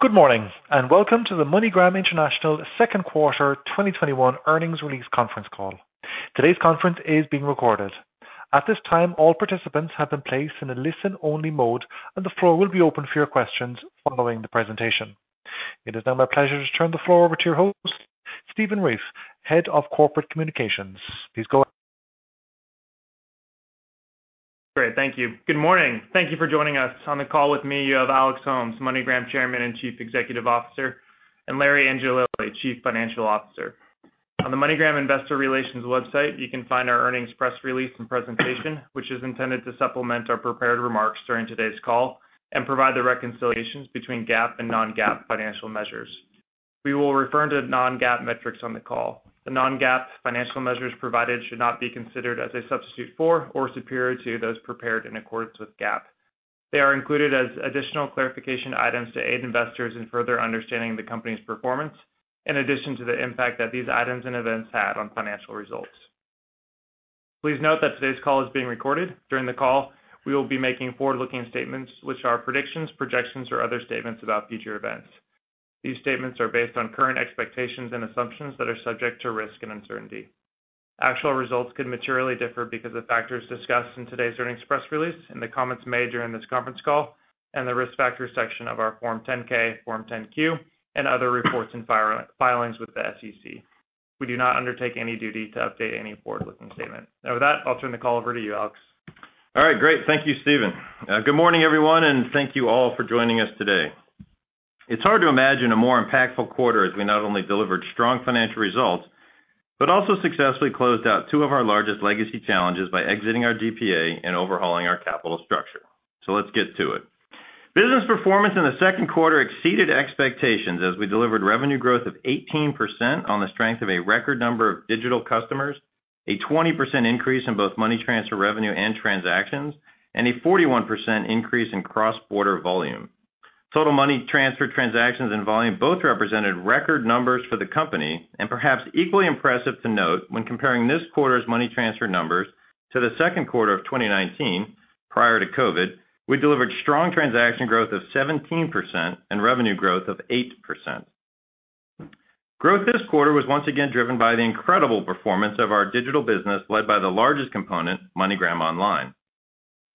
Good morning, and Welcome to the MoneyGram International second quarter 2021 earnings release conference call. Today's conference is being recorded. At this time, all participants have been placed in a listen-only mode, and the floor will be open for your questions following the presentation. It is now my pleasure to turn the floor over to your host, Stephen Reiff, Head of Corporate Communications. Please go ahead. Great. Thank you. Good morning. Thank you for joining us. On the call with me, you have Alex Holmes, MoneyGram Chairman and Chief Executive Officer, and Larry Angelilli, Chief Financial Officer. On the MoneyGram Investor Relations website, you can find our earnings press release and presentation, which is intended to supplement our prepared remarks during today's call and provide the reconciliations between GAAP and non-GAAP financial measures. We will refer to non-GAAP metrics on the call. The non-GAAP financial measures provided should not be considered as a substitute for or superior to those prepared in accordance with GAAP. They are included as additional clarification items to aid investors in further understanding the company's performance in addition to the impact that these items and events had on financial results. Please note that today's call is being recorded. During the call, we will be making forward-looking statements, which are predictions, projections, or other statements about future events. These statements are based on current expectations and assumptions that are subject to risk and uncertainty. Actual results could materially differ because of factors discussed in today's earnings press release, in the comments made during this conference call, and the Risk Factors section of our Form 10-K, Form 10-Q and other reports and filings with the SEC. We do not undertake any duty to update any forward-looking statement. Now with that, I'll turn the call over to you, Alex. All right. Great. Thank you, Stephen. Good morning, everyone, and thank you all for joining us today. It's hard to imagine a more impactful quarter as we not only delivered strong financial results but also successfully closed out two of our largest legacy challenges by exiting our DPA and overhauling our capital structure. Let's get to it. Business performance in the second quarter exceeded expectations as we delivered revenue growth of 18% on the strength of a record number of digital customers, a 20% increase in both money transfer revenue and transactions, and a 41% increase in cross-border volume. Total money transfer transactions and volume both represented record numbers for the company, and perhaps equally impressive to note when comparing this quarter's money transfer numbers to the second quarter of 2019, prior to COVID, we delivered strong transaction growth of 17% and revenue growth of 8%. Growth this quarter was once again driven by the incredible performance of our digital business, led by the largest component, MoneyGram Online.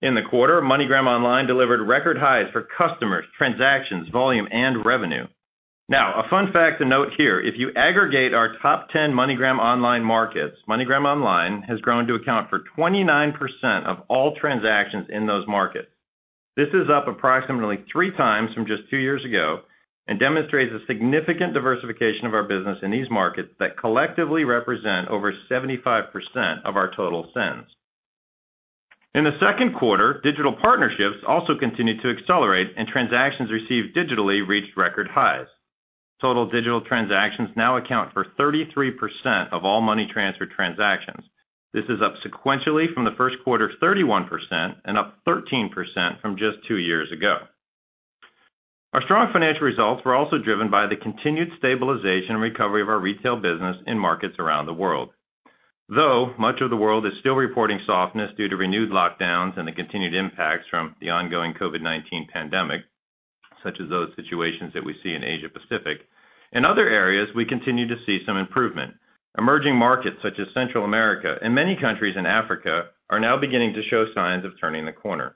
In the quarter, MoneyGram Online delivered record highs for customers, transactions, volume, and revenue. A fun fact to note here. If you aggregate our top 10 MoneyGram Online markets, MoneyGram Online has grown to account for 29% of all transactions in those markets. This is up approximately 3x from just two years ago and demonstrates a significant diversification of our business in these markets that collectively represent over 75% of our total sends. In the second quarter, digital partnerships also continued to accelerate, and transactions received digitally reached record highs. Total digital transactions now account for 33% of all money transfer transactions. This is up sequentially from the first quarter's 31% and up 13% from just two years ago. Our strong financial results were also driven by the continued stabilization and recovery of our retail business in markets around the world. Though much of the world is still reporting softness due to renewed lockdowns and the continued impacts from the ongoing COVID-19 pandemic, such as those situations that we see in Asia-Pacific, in other areas, we continue to see some improvement. Emerging markets such as Central America and many countries in Africa are now beginning to show signs of turning the corner.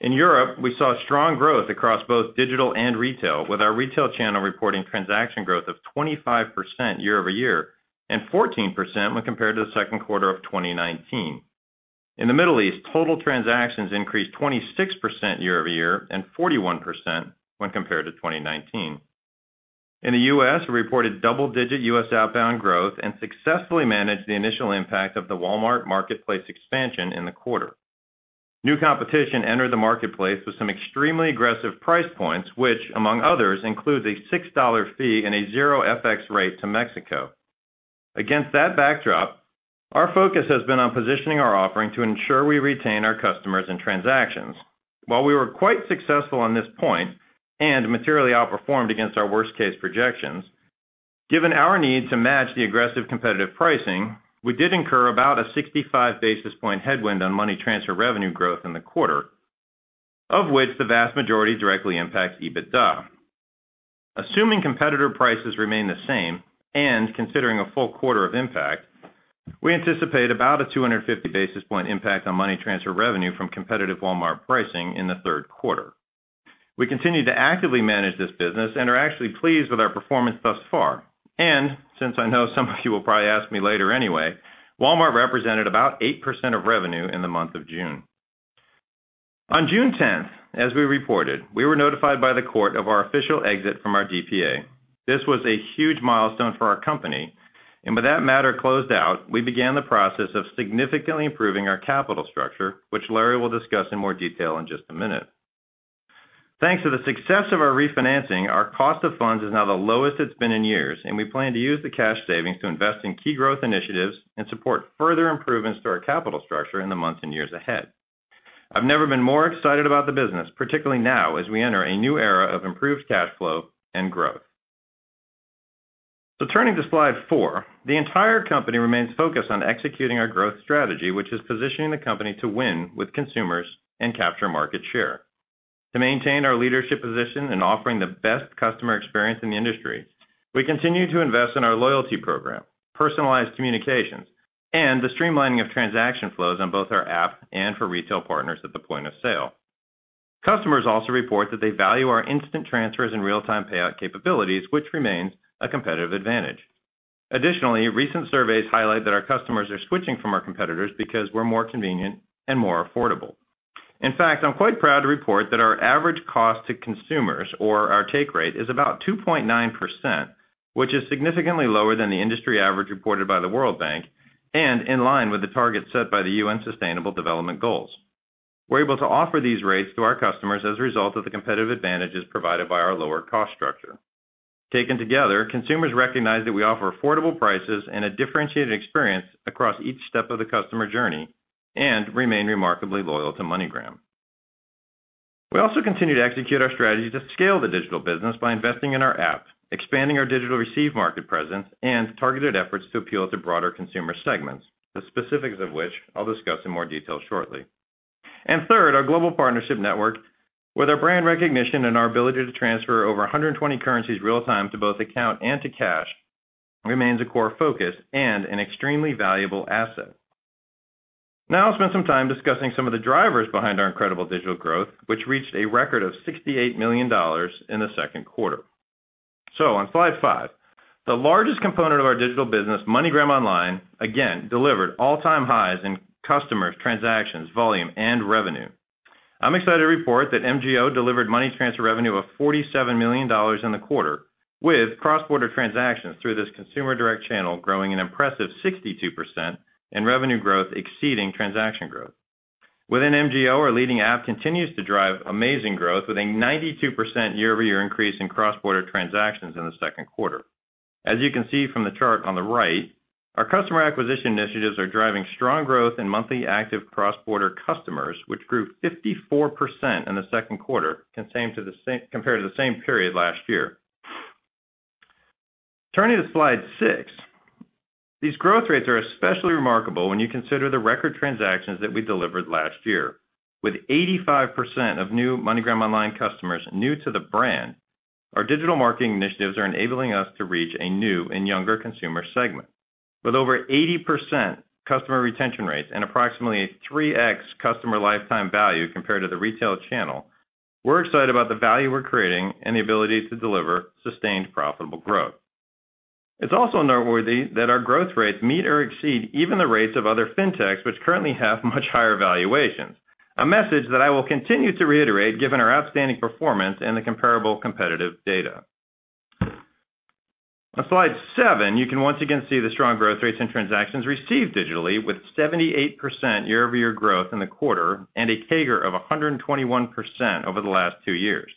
In Europe, we saw strong growth across both digital and retail, with our retail channel reporting transaction growth of 25% year-over-year and 14% when compared to the second quarter of 2019. In the Middle East, total transactions increased 26% year-over-year and 41% when compared to 2019. In the U.S., we reported double-digit U.S. outbound growth and successfully managed the initial impact of the Walmart marketplace expansion in the quarter. New competition entered the marketplace with some extremely aggressive price points, which among others, includes a $6 fee and a zero FX rate to Mexico. Against that backdrop, our focus has been on positioning our offering to ensure we retain our customers and transactions. While we were quite successful on this point and materially outperformed against our worst-case projections, given our need to match the aggressive competitive pricing, we did incur about a 65 basis point headwind on money transfer revenue growth in the quarter, of which the vast majority directly impacts EBITDA. Assuming competitor prices remain the same and considering a full quarter of impact, we anticipate about a 250 basis point impact on money transfer revenue from competitive Walmart pricing in the third quarter. We continue to actively manage this business and are actually pleased with our performance thus far. Since I know some of you will probably ask me later anyway, Walmart represented about 8% of revenue in the month of June. On June 10th, as we reported, we were notified by the court of our official exit from our DPA. This was a huge milestone for our company, and with that matter closed out, we began the process of significantly improving our capital structure, which Larry will discuss in more detail in just a minute. Thanks to the success of our refinancing, our cost of funds is now the lowest it's been in years, and we plan to use the cash savings to invest in key growth initiatives and support further improvements to our capital structure in the months and years ahead. I've never been more excited about the business, particularly now as we enter a new era of improved cash flow and growth. Turning to slide four, the entire company remains focused on executing our growth strategy, which is positioning the company to win with consumers and capture market share. To maintain our leadership position in offering the best customer experience in the industry, we continue to invest in our loyalty program, personalized communications, and the streamlining of transaction flows on both our app and for retail partners at the point of sale. Customers also report that they value our instant transfers and real-time payout capabilities, which remains a competitive advantage. Additionally, recent surveys highlight that our customers are switching from our competitors because we're more convenient and more affordable. In fact, I'm quite proud to report that our average cost to consumers or our take rate is about 2.9%, which is significantly lower than the industry average reported by the World Bank and in line with the targets set by the UN Sustainable Development Goals. We're able to offer these rates to our customers as a result of the competitive advantages provided by our lower cost structure. Taken together, consumers recognize that we offer affordable prices and a differentiated experience across each step of the customer journey and remain remarkably loyal to MoneyGram. We also continue to execute our strategy to scale the digital business by investing in our app, expanding our digital receive market presence, and targeted efforts to appeal to broader consumer segments, the specifics of which I'll discuss in more detail shortly. Third, our global partnership network with our brand recognition and our ability to transfer over 120 currencies real-time to both account and to cash remains a core focus and an extremely valuable asset. I'll spend some time discussing some of the drivers behind our incredible digital growth, which reached a record of $68 million in the second quarter. On slide five, the largest component of our digital business, MoneyGram Online, again, delivered all-time highs in customers, transactions, volume, and revenue. I'm excited to report that MGO delivered money transfer revenue of $47 million in the quarter, with cross-border transactions through this consumer direct channel growing an impressive 62% in revenue growth exceeding transaction growth. Within MGO, our leading app continues to drive amazing growth with a 92% year-over-year increase in cross-border transactions in the second quarter. As you can see from the chart on the right, our customer acquisition initiatives are driving strong growth in monthly active cross-border customers, which grew 54% in the second quarter compared to the same period last year. Turning to slide six, these growth rates are especially remarkable when you consider the record transactions that we delivered last year. With 85% of new MoneyGram Online customers new to the brand, our digital marketing initiatives are enabling us to reach a new and younger consumer segment. With over 80% customer retention rates and approximately 3x customer lifetime value compared to the retail channel, we're excited about the value we're creating and the ability to deliver sustained profitable growth. It's also noteworthy that our growth rates meet or exceed even the rates of other fintechs which currently have much higher valuations. A message that I will continue to reiterate given our outstanding performance and the comparable competitive data. On slide seven, you can once again see the strong growth rates in transactions received digitally with 78% year-over-year growth in the quarter and a CAGR of 121% over the last two years.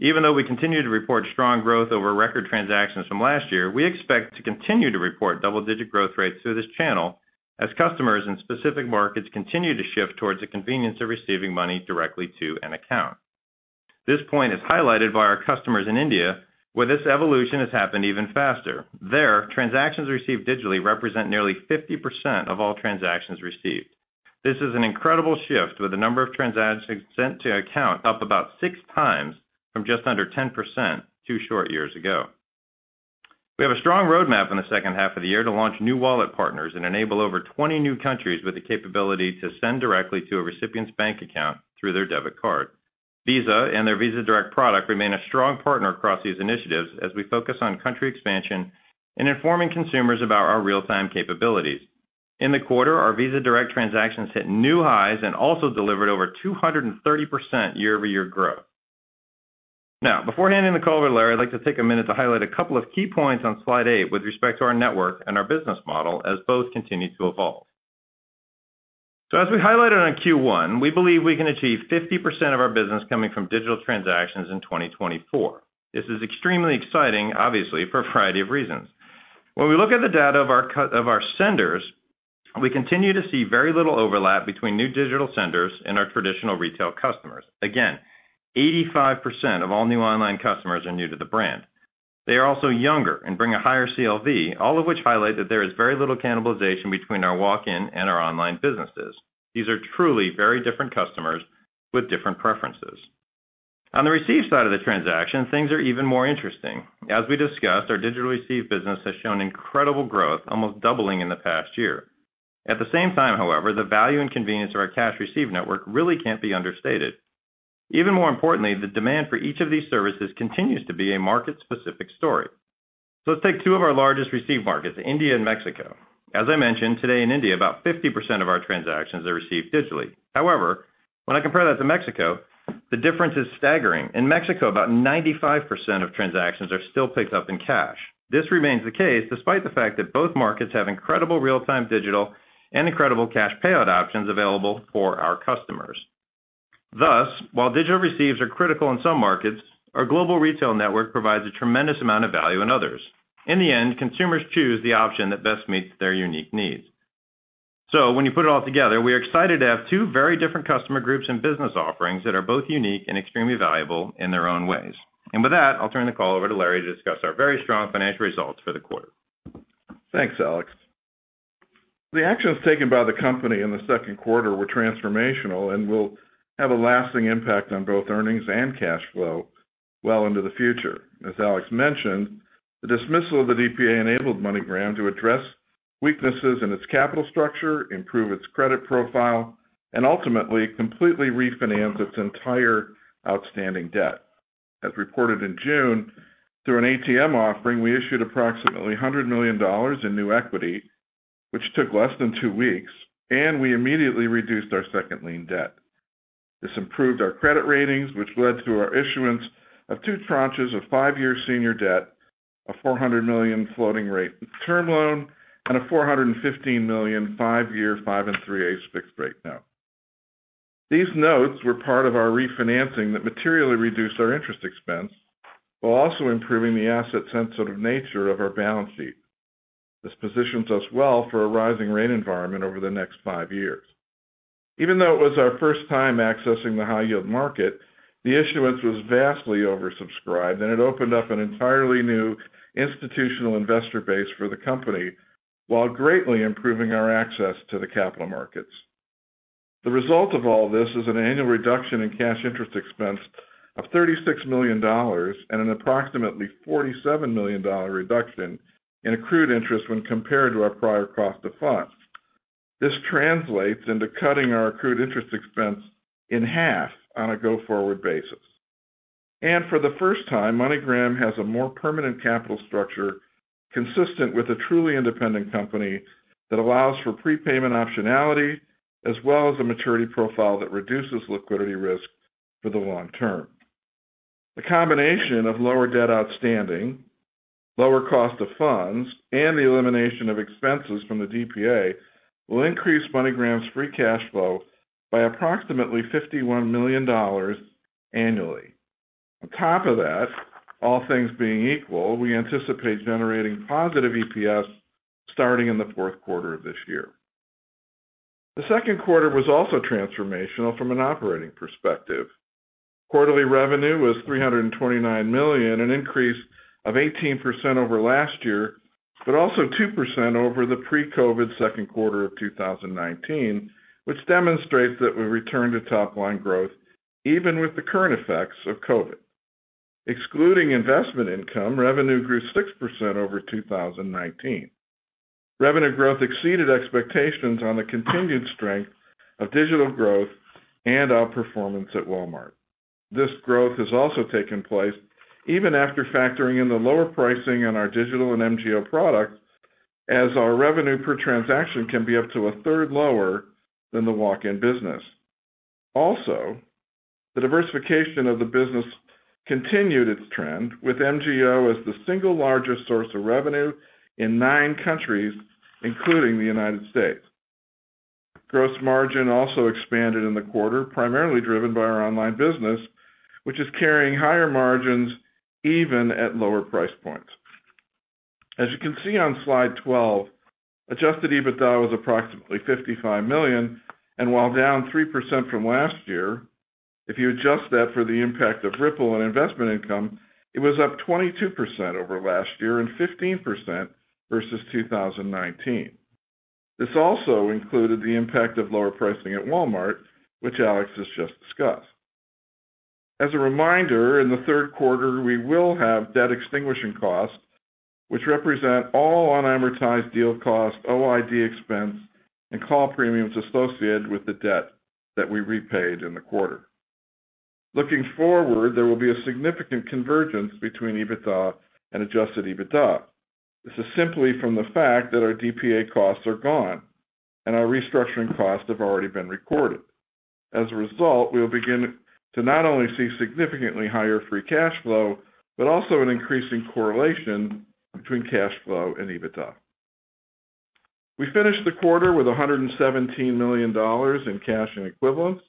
Even though we continue to report strong growth over record transactions from last year, we expect to continue to report double-digit growth rates through this channel as customers in specific markets continue to shift towards the convenience of receiving money directly to an account. This point is highlighted by our customers in India, where this evolution has happened even faster. There, transactions received digitally represent nearly 50% of all transactions received. This is an incredible shift with the number of transactions sent to account up about 6x from just under 10% two short years ago. We have a strong roadmap in the second half of the year to launch new wallet partners and enable over 20 new countries with the capability to send directly to a recipient's bank account through their debit card. Visa and their Visa Direct product remain a strong partner across these initiatives as we focus on country expansion and informing consumers about our real-time capabilities. In the quarter, our Visa Direct transactions hit new highs and also delivered over 230% year-over-year growth. Before handing the call over to Larry, I'd like to take a minute to highlight a couple of key points on slide 8 with respect to our network and our business model as both continue to evolve. As we highlighted on Q1, we believe we can achieve 50% of our business coming from digital transactions in 2024. This is extremely exciting, obviously, for a variety of reasons. When we look at the data of our senders, we continue to see very little overlap between new digital senders and our traditional retail customers. 85% of all new online customers are new to the brand. They are also younger and bring a higher CLV, all of which highlight that there is very little cannibalization between our walk-in and our online businesses. These are truly very different customers with different preferences. On the receive side of the transaction, things are even more interesting. As we discussed, our digital receive business has shown incredible growth, almost doubling in the past year. At the same time, however, the value and convenience of our cash receive network really can't be understated. Even more importantly, the demand for each of these services continues to be a market-specific story. Let's take two of our largest receive markets, India and Mexico. As I mentioned, today in India about 50% of our transactions are received digitally. However, when I compare that to Mexico, the difference is staggering. In Mexico, about 95% of transactions are still picked up in cash. This remains the case despite the fact that both markets have incredible real-time digital and incredible cash payout options available for our customers. Thus, while digital receives are critical in some markets, our global retail network provides a tremendous amount of value in others. In the end, consumers choose the option that best meets their unique needs. When you put it all together, we are excited to have two very different customer groups and business offerings that are both unique and extremely valuable in their own ways. With that, I'll turn the call over to Larry to discuss our very strong financial results for the quarter. Thanks, Alex. The actions taken by the company in the second quarter were transformational and will have a lasting impact on both earnings and cash flow well into the future. As Alex mentioned, the dismissal of the DPA enabled MoneyGram to address weaknesses in its capital structure, improve its credit profile, and ultimately completely refinance its entire outstanding debt. As reported in June, through an ATM offering, we issued approximately $100 million in new equity, which took less than two weeks, and we immediately reduced our second lien debt. This improved our credit ratings, which led to our issuance of two tranches of five-year senior debt, a $400 million floating rate term loan, and a $415 million five-year, 5%, 3%/8% fixed rate note. These notes were part of our refinancing that materially reduced our interest expense while also improving the asset-sensitive nature of our balance sheet. This positions us well for a rising rate environment over the next five years. Even though it was our first time accessing the high-yield market, the issuance was vastly oversubscribed, and it opened up an entirely new institutional investor base for the company while greatly improving our access to the capital markets. The result of all this is an annual reduction in cash interest expense of $36 million and an approximately $47 million reduction in accrued interest when compared to our prior cost of funds. This translates into cutting our accrued interest expense in half on a go-forward basis. For the first time, MoneyGram has a more permanent capital structure consistent with a truly independent company that allows for prepayment optionality as well as a maturity profile that reduces liquidity risk for the long term. The combination of lower debt outstanding, lower cost of funds, and the elimination of expenses from the DPA will increase MoneyGram's free cash flow by approximately $51 million annually. On top of that, all things being equal, we anticipate generating positive EPS starting in the fourth quarter of this year. The second quarter was also transformational from an operating perspective. Quarterly revenue was $329 million, an increase of 18% over last year, but also 2% over the pre-COVID second quarter of 2019, which demonstrates that we returned to top-line growth even with the current effects of COVID. Excluding investment income, revenue grew 6% over 2019. Revenue growth exceeded expectations on the continued strength of digital growth and outperformance at Walmart. This growth has also taken place even after factoring in the lower pricing on our digital and MGO products, as our revenue per transaction can be up to a third lower than the walk-in business. The diversification of the business continued its trend, with MGO as the single largest source of revenue in nine countries, including the United States. Gross margin also expanded in the quarter, primarily driven by our online business, which is carrying higher margins even at lower price points. As you can see on slide 12, adjusted EBITDA was approximately $55 million, and while down 3% from last year, if you adjust that for the impact of Ripple and investment income, it was up 22% over last year and 15% versus 2019. This also included the impact of lower pricing at Walmart, which Alex has just discussed. As a reminder, in the third quarter, we will have debt extinguishing costs, which represent all unamortized deal costs, OID expense, and call premiums associated with the debt that we repaid in the quarter. Looking forward, there will be a significant convergence between EBITDA and adjusted EBITDA. This is simply from the fact that our DPA costs are gone and our restructuring costs have already been recorded. As a result, we will begin to not only see significantly higher free cash flow but also an increasing correlation between cash flow and EBITDA. We finished the quarter with $117 million in cash and equivalents.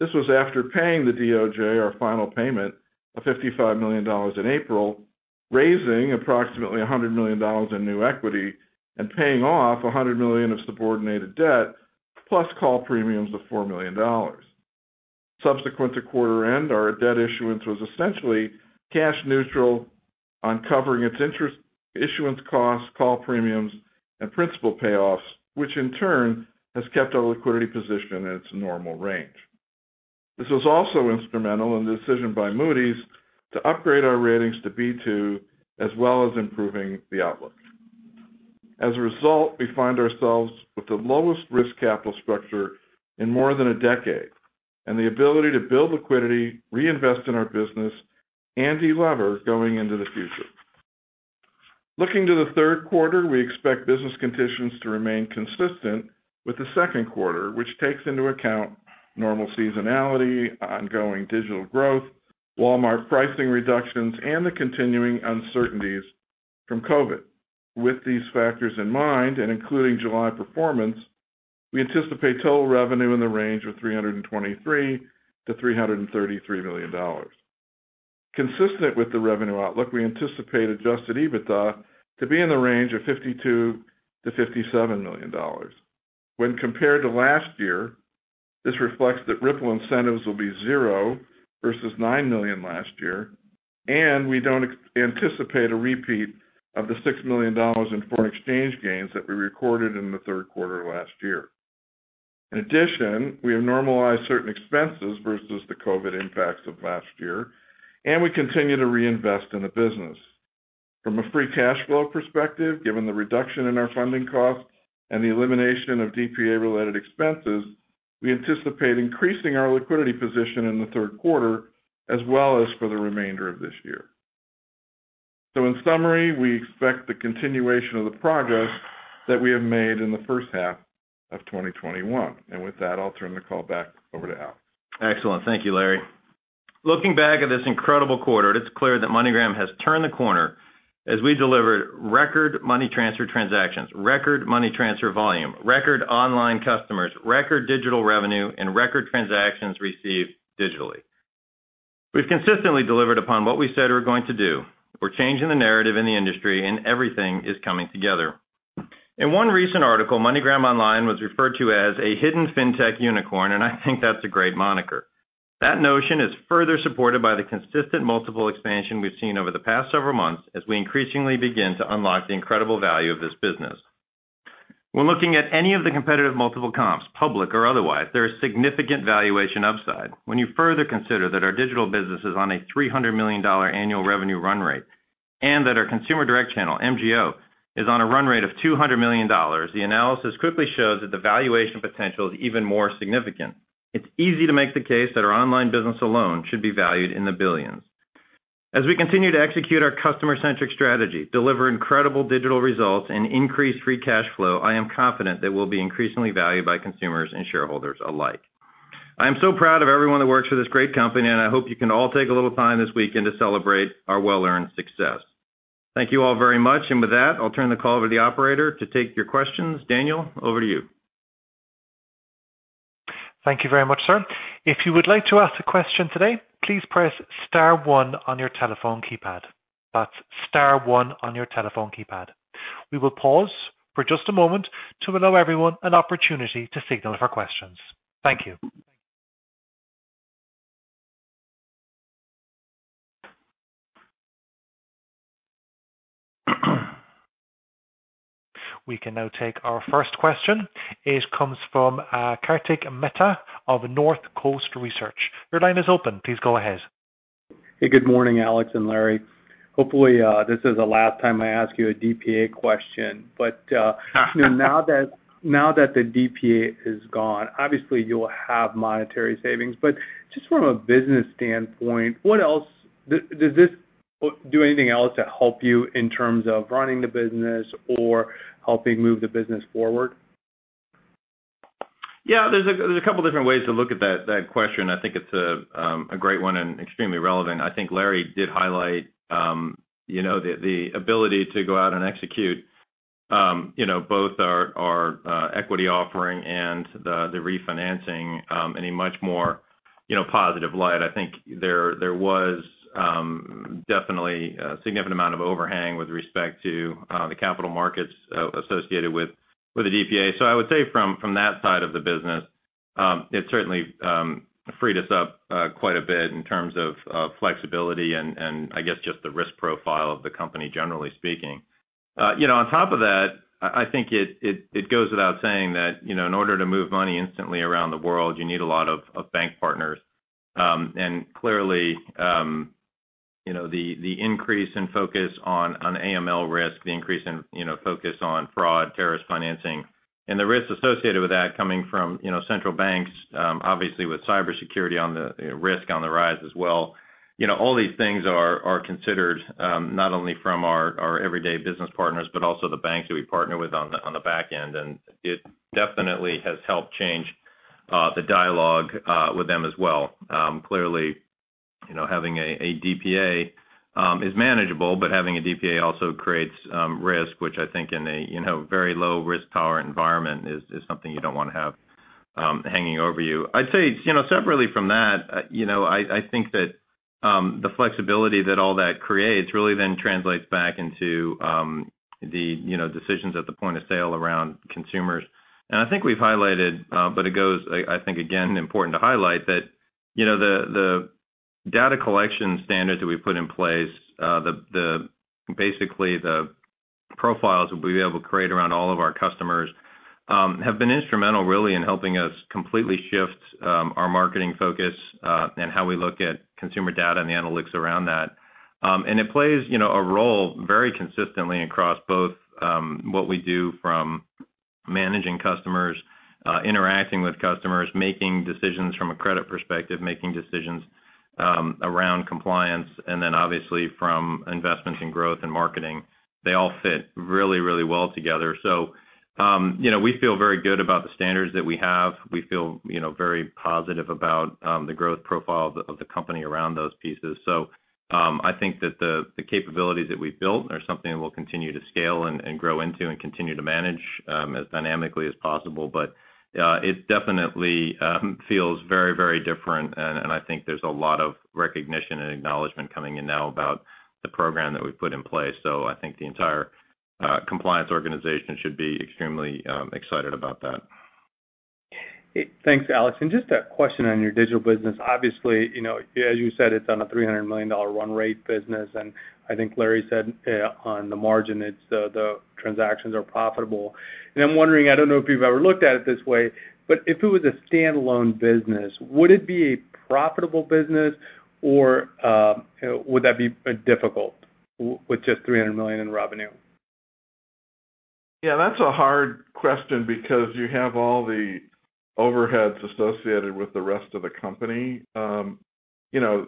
This was after paying the DOJ our final payment of $55 million in April, raising approximately $100 million in new equity, and paying off $100 million of subordinated debt, plus call premiums of $4 million. Subsequent to quarter end, our debt issuance was essentially cash neutral on covering its interest, issuance costs, call premiums, and principal payoffs, which in turn has kept our liquidity position in its normal range. This was also instrumental in the decision by Moody's to upgrade our ratings to B2, as well as improving the outlook. As a result, we find ourselves with the lowest risk capital structure in more than a decade and the ability to build liquidity, reinvest in our business, and delever going into the future. Looking to the third quarter, we expect business conditions to remain consistent with the second quarter, which takes into account normal seasonality, ongoing digital growth, Walmart pricing reductions, and the continuing uncertainties from COVID. With these factors in mind, and including July performance, we anticipate total revenue in the range of $323 million-$333 million. Consistent with the revenue outlook, we anticipate adjusted EBITDA to be in the range of $52 million-$57 million. When compared to last year, this reflects that Ripple incentives will be zero versus $9 million last year. We don't anticipate a repeat of the $6 million in foreign exchange gains that we recorded in the third quarter last year. In addition, we have normalized certain expenses versus the COVID impacts of last year. We continue to reinvest in the business. From a free cash flow perspective, given the reduction in our funding costs and the elimination of DPA-related expenses, we anticipate increasing our liquidity position in the third quarter as well as for the remainder of this year. In summary, we expect the continuation of the progress that we have made in the first half of 2021. With that, I'll turn the call back over to Alex. Excellent. Thank you, Larry. Looking back at this incredible quarter, it's clear that MoneyGram has turned the corner as we delivered record money transfer transactions, record money transfer volume, record online customers, record digital revenue, and record transactions received digitally. We've consistently delivered upon what we said we were going to do. We're changing the narrative in the industry, and everything is coming together. In one recent article, MoneyGram Online was referred to as a hidden fintech unicorn, and I think that's a great moniker. That notion is further supported by the consistent multiple expansion we've seen over the past several months as we increasingly begin to unlock the incredible value of this business. When looking at any of the competitive multiple comps, public or otherwise, there is significant valuation upside. When you further consider that our digital business is on a $300 million annual revenue run rate, and that our consumer direct channel, MGO, is on a run rate of $200 million, the analysis quickly shows that the valuation potential is even more significant. It's easy to make the case that our online business alone should be valued in the billions. As we continue to execute our customer-centric strategy, deliver incredible digital results, and increase free cash flow, I am confident that we'll be increasingly valued by consumers and shareholders alike. I am so proud of everyone that works for this great company, and I hope you can all take a little time this weekend to celebrate our well-earned success. Thank you all very much. With that, I'll turn the call over to the operator to take your questions. Daniel, over to you. Thank you very much, sir. If you would like to ask a question today, please press star one on your telephone keypad. That's star one on your telephone keypad. We will pause for just a moment to allow everyone an opportunity to signal for questions. Thank you. We can now take our first question. It comes from Kartik Mehta of Northcoast Research. Your line is open. Please go ahead. Hey, good morning, Alex and Larry. Hopefully, this is the last time I ask you a DPA question. Now that the DPA is gone, obviously you'll have monetary savings. Just from a business standpoint, does this do anything else to help you in terms of running the business or helping move the business forward? There's a couple different ways to look at that question. I think it's a great one and extremely relevant. I think Larry did highlight the ability to go out and execute both our equity offering and the refinancing in a much more positive light. I think there was definitely a significant amount of overhang with respect to the capital markets associated with the DPA. I would say from that side of the business, it certainly freed us up quite a bit in terms of flexibility and I guess just the risk profile of the company, generally speaking. On top of that, I think it goes without saying that in order to move money instantly around the world, you need a lot of bank partners. Clearly the increase in focus on AML risk, the increase in focus on fraud, terrorist financing, and the risks associated with that coming from central banks, obviously with cybersecurity risk on the rise as well. All these things are considered not only from our everyday business partners but also the banks that we partner with on the back end. It definitely has helped change the dialogue with them as well. Clearly, having a DPA is manageable, but having a DPA also creates risk, which I think in a very low risk power environment is something you don't want to have hanging over you. I'd say separately from that, I think that the flexibility that all that creates really then translates back into the decisions at the point of sale around consumers. I think we've highlighted but it goes, I think again important to highlight that the data collection standards that we put in place, basically the profiles that we'll be able to create around all of our customers, have been instrumental really in helping us completely shift our marketing focus and how we look at consumer data and the analytics around that. It plays a role very consistently across both what we do from managing customers, interacting with customers, making decisions from a credit perspective, making decisions around compliance, and then obviously from investments in growth and marketing. They all fit really well together. We feel very good about the standards that we have. We feel very positive about the growth profile of the company around those pieces. I think that the capabilities that we've built are something that we'll continue to scale and grow into and continue to manage as dynamically as possible. It definitely feels very, very different, and I think there's a lot of recognition and acknowledgement coming in now about the program that we've put in place. I think the entire compliance organization should be extremely excited about that. Thanks, Alex. Just a question on your digital business. Obviously, as you said, it's on a $300 million run rate business, and I think Larry said on the margin, the transactions are profitable. I'm wondering, I don't know if you've ever looked at it this way, but if it was a standalone business, would it be a profitable business or would that be difficult with just $300 million in revenue? Yeah, that's a hard question because you have all the overheads associated with the rest of the company.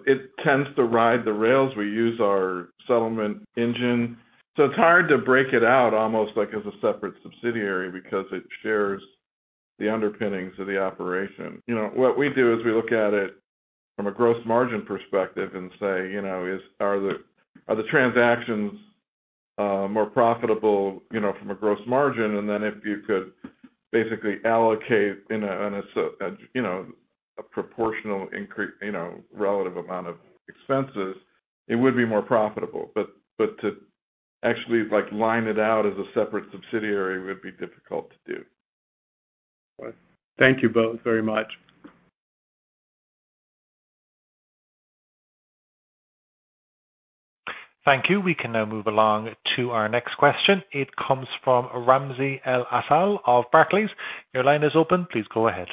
It tends to ride the rails. We use our settlement engine. It's hard to break it out almost like as a separate subsidiary because it shares the underpinnings of the operation. What we do is we look at it from a gross margin perspective and say, are the transactions more profitable from a gross margin? If you could basically allocate a proportional relative amount of expenses, it would be more profitable. To actually line it out as a separate subsidiary would be difficult to do. Thank you both very much. Thank you. We can now move along to our next question. It comes from Ramsey El-Assal of Barclays. Your line is open. Please go ahead.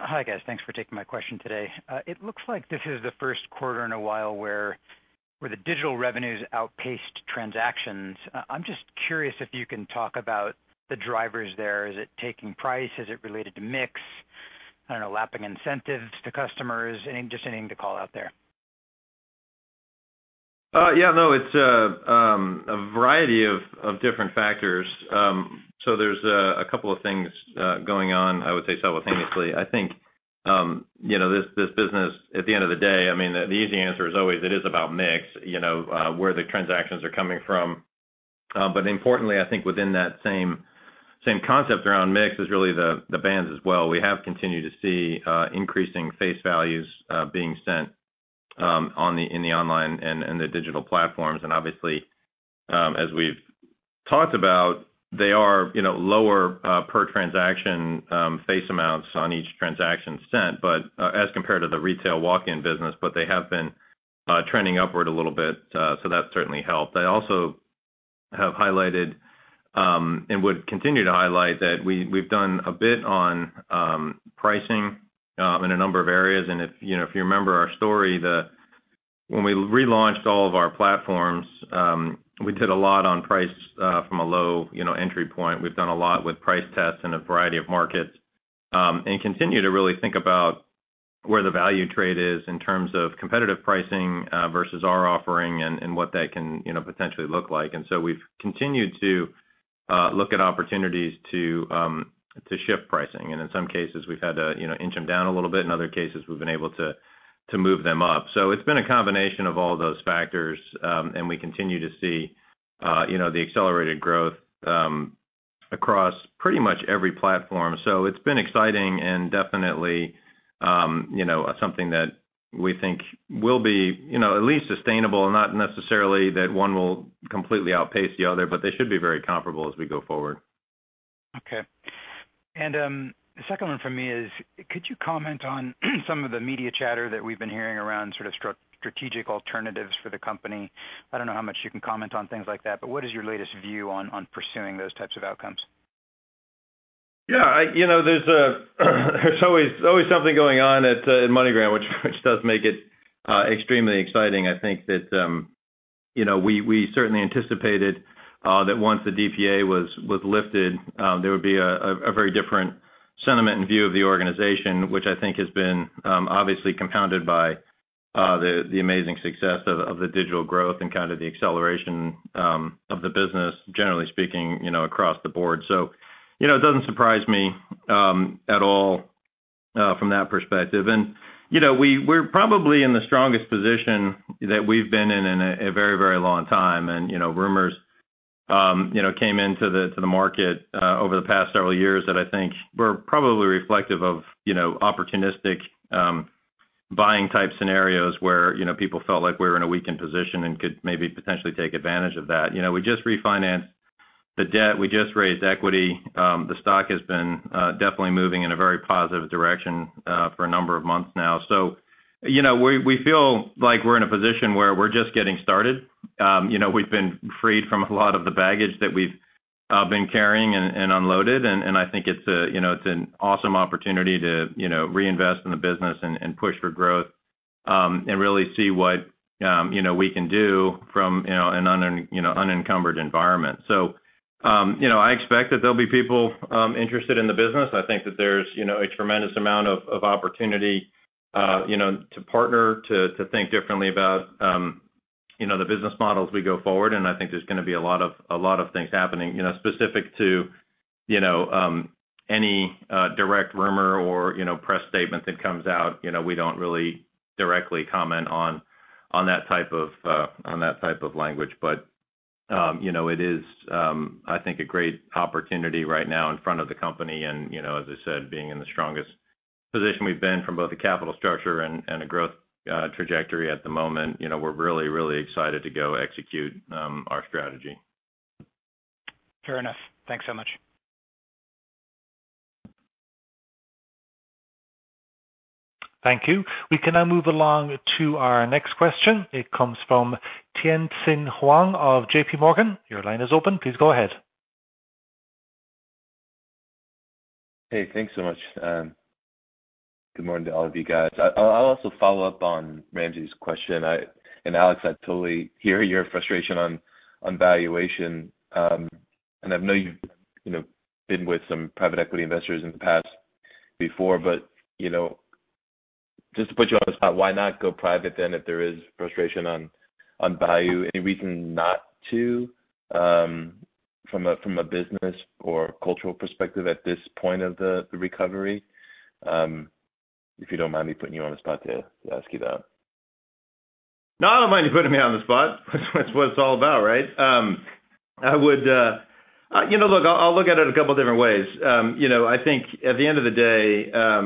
Hi, guys. Thanks for taking my question today. It looks like this is the first quarter in a while where the digital revenues outpaced transactions. I'm just curious if you can talk about the drivers there. Is it taking price? Is it related to mix? I don't know, lapping incentives to customers? Just anything to call out there. Yeah, no, it's a variety of different factors. There's a couple of things going on, I would say simultaneously. I think this business, at the end of the day, the easy answer is always it is about mix, where the transactions are coming from. Importantly, I think within that same concept around mix is really the bands as well. We have continued to see increasing face values being sent in the online and the digital platforms. Obviously, as we've talked about, they are lower per transaction face amounts on each transaction sent as compared to the retail walk-in business. They have been trending upward a little bit, so that certainly helped. I also have highlighted and would continue to highlight that we've done a bit on pricing in a number of areas, and if you remember our story, when we relaunched all of our platforms we did a lot on price from a low entry point. We've done a lot with price tests in a variety of markets and continue to really think about where the value trade is in terms of competitive pricing versus our offering and what that can potentially look like. We've continued to look at opportunities to shift pricing. In some cases, we've had to inch them down a little bit. In other cases, we've been able to move them up. It's been a combination of all those factors, and we continue to see the accelerated growth across pretty much every platform. It's been exciting and definitely something that we think will be at least sustainable. Not necessarily that one will completely outpace the other, but they should be very comparable as we go forward. Okay. The second one from me is, could you comment on some of the media chatter that we've been hearing around sort of strategic alternatives for the company? I don't know how much you can comment on things like that, but what is your latest view on pursuing those types of outcomes? Yeah. There's always something going on at MoneyGram, which does make it extremely exciting. I think that we certainly anticipated that once the DPA was lifted there would be a very different sentiment and view of the organization, which I think has been obviously compounded by the amazing success of the digital growth and kind of the acceleration of the business, generally speaking, across the board. It doesn't surprise me at all from that perspective. We're probably in the strongest position that we've been in a very, very long time. Rumors came into the market over the past several years that I think were probably reflective of opportunistic buying type scenarios where people felt like we were in a weakened position and could maybe potentially take advantage of that. We just refinanced the debt. We just raised equity. The stock has been definitely moving in a very positive direction for a number of months now. We feel like we're in a position where we're just getting started. We've been freed from a lot of the baggage that we've been carrying and unloaded, and I think it's an awesome opportunity to reinvest in the business and push for growth and really see what we can do from an unencumbered environment. I expect that there'll be people interested in the business. I think that there's a tremendous amount of opportunity to partner, to think differently about the business models we go forward, and I think there's going to be a lot of things happening specific to any direct rumor or press statement that comes out. We don't really directly comment on that type of language. It is, I think, a great opportunity right now in front of the company. As I said, being in the strongest position we've been from both a capital structure and a growth trajectory at the moment. We're really excited to go execute our strategy. Fair enough. Thanks so much. Thank you. We can now move along to our next question. It comes from Tien-Tsin Huang of JPMorgan. Your line is open. Please go ahead. Hey, thanks so much. Good morning to all of you guys. I'll also follow up on Ramsey's question. Alex, I totally hear your frustration on valuation. I know you've been with some private equity investors in the past before, but just to put you on the spot, why not go private then, if there is frustration on value? Any reason not to from a business or cultural perspective at this point of the recovery? If you don't mind me putting you on the spot to ask you that. No, I don't mind you putting me on the spot. That's what it's all about, right? Look, I'll look at it two different ways. I think at the end of the day, I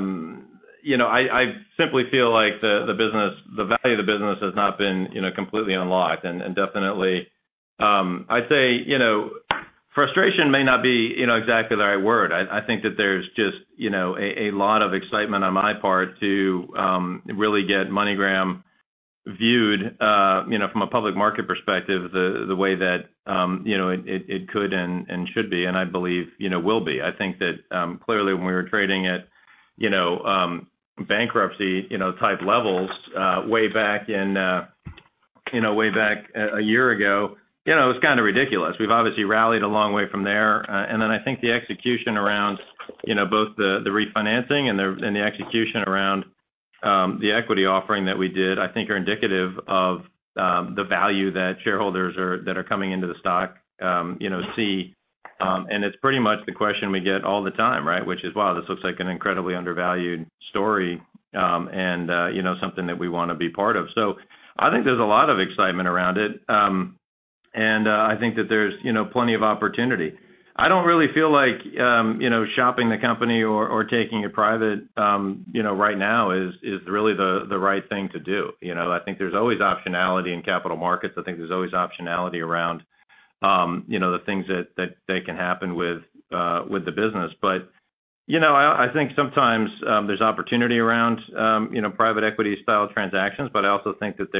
simply feel like the value of the business has not been completely unlocked. Definitely, I'd say frustration may not be exactly the right word. I think that there's just a lot of excitement on my part to really get MoneyGram viewed from a public market perspective the way that it could and should be, and I believe, will be. I think that clearly when we were trading at bankruptcy type levels way back a year ago, it was kind of ridiculous. We've obviously rallied a long way from there. I think the execution around both the refinancing and the execution around the equity offering that we did, I think are indicative of the value that shareholders that are coming into the stock see. It's pretty much the question we get all the time, right. Which is, wow, this looks like an incredibly undervalued story and something that we want to be part of. I think there's a lot of excitement around it. I think that there's plenty of opportunity. I don't really feel like shopping the company or taking it private right now is really the right thing to do. I think there's always optionality in capital markets. I think there's always optionality around the things that can happen with the business. I think sometimes there's opportunity around private equity-style transactions, but I also think that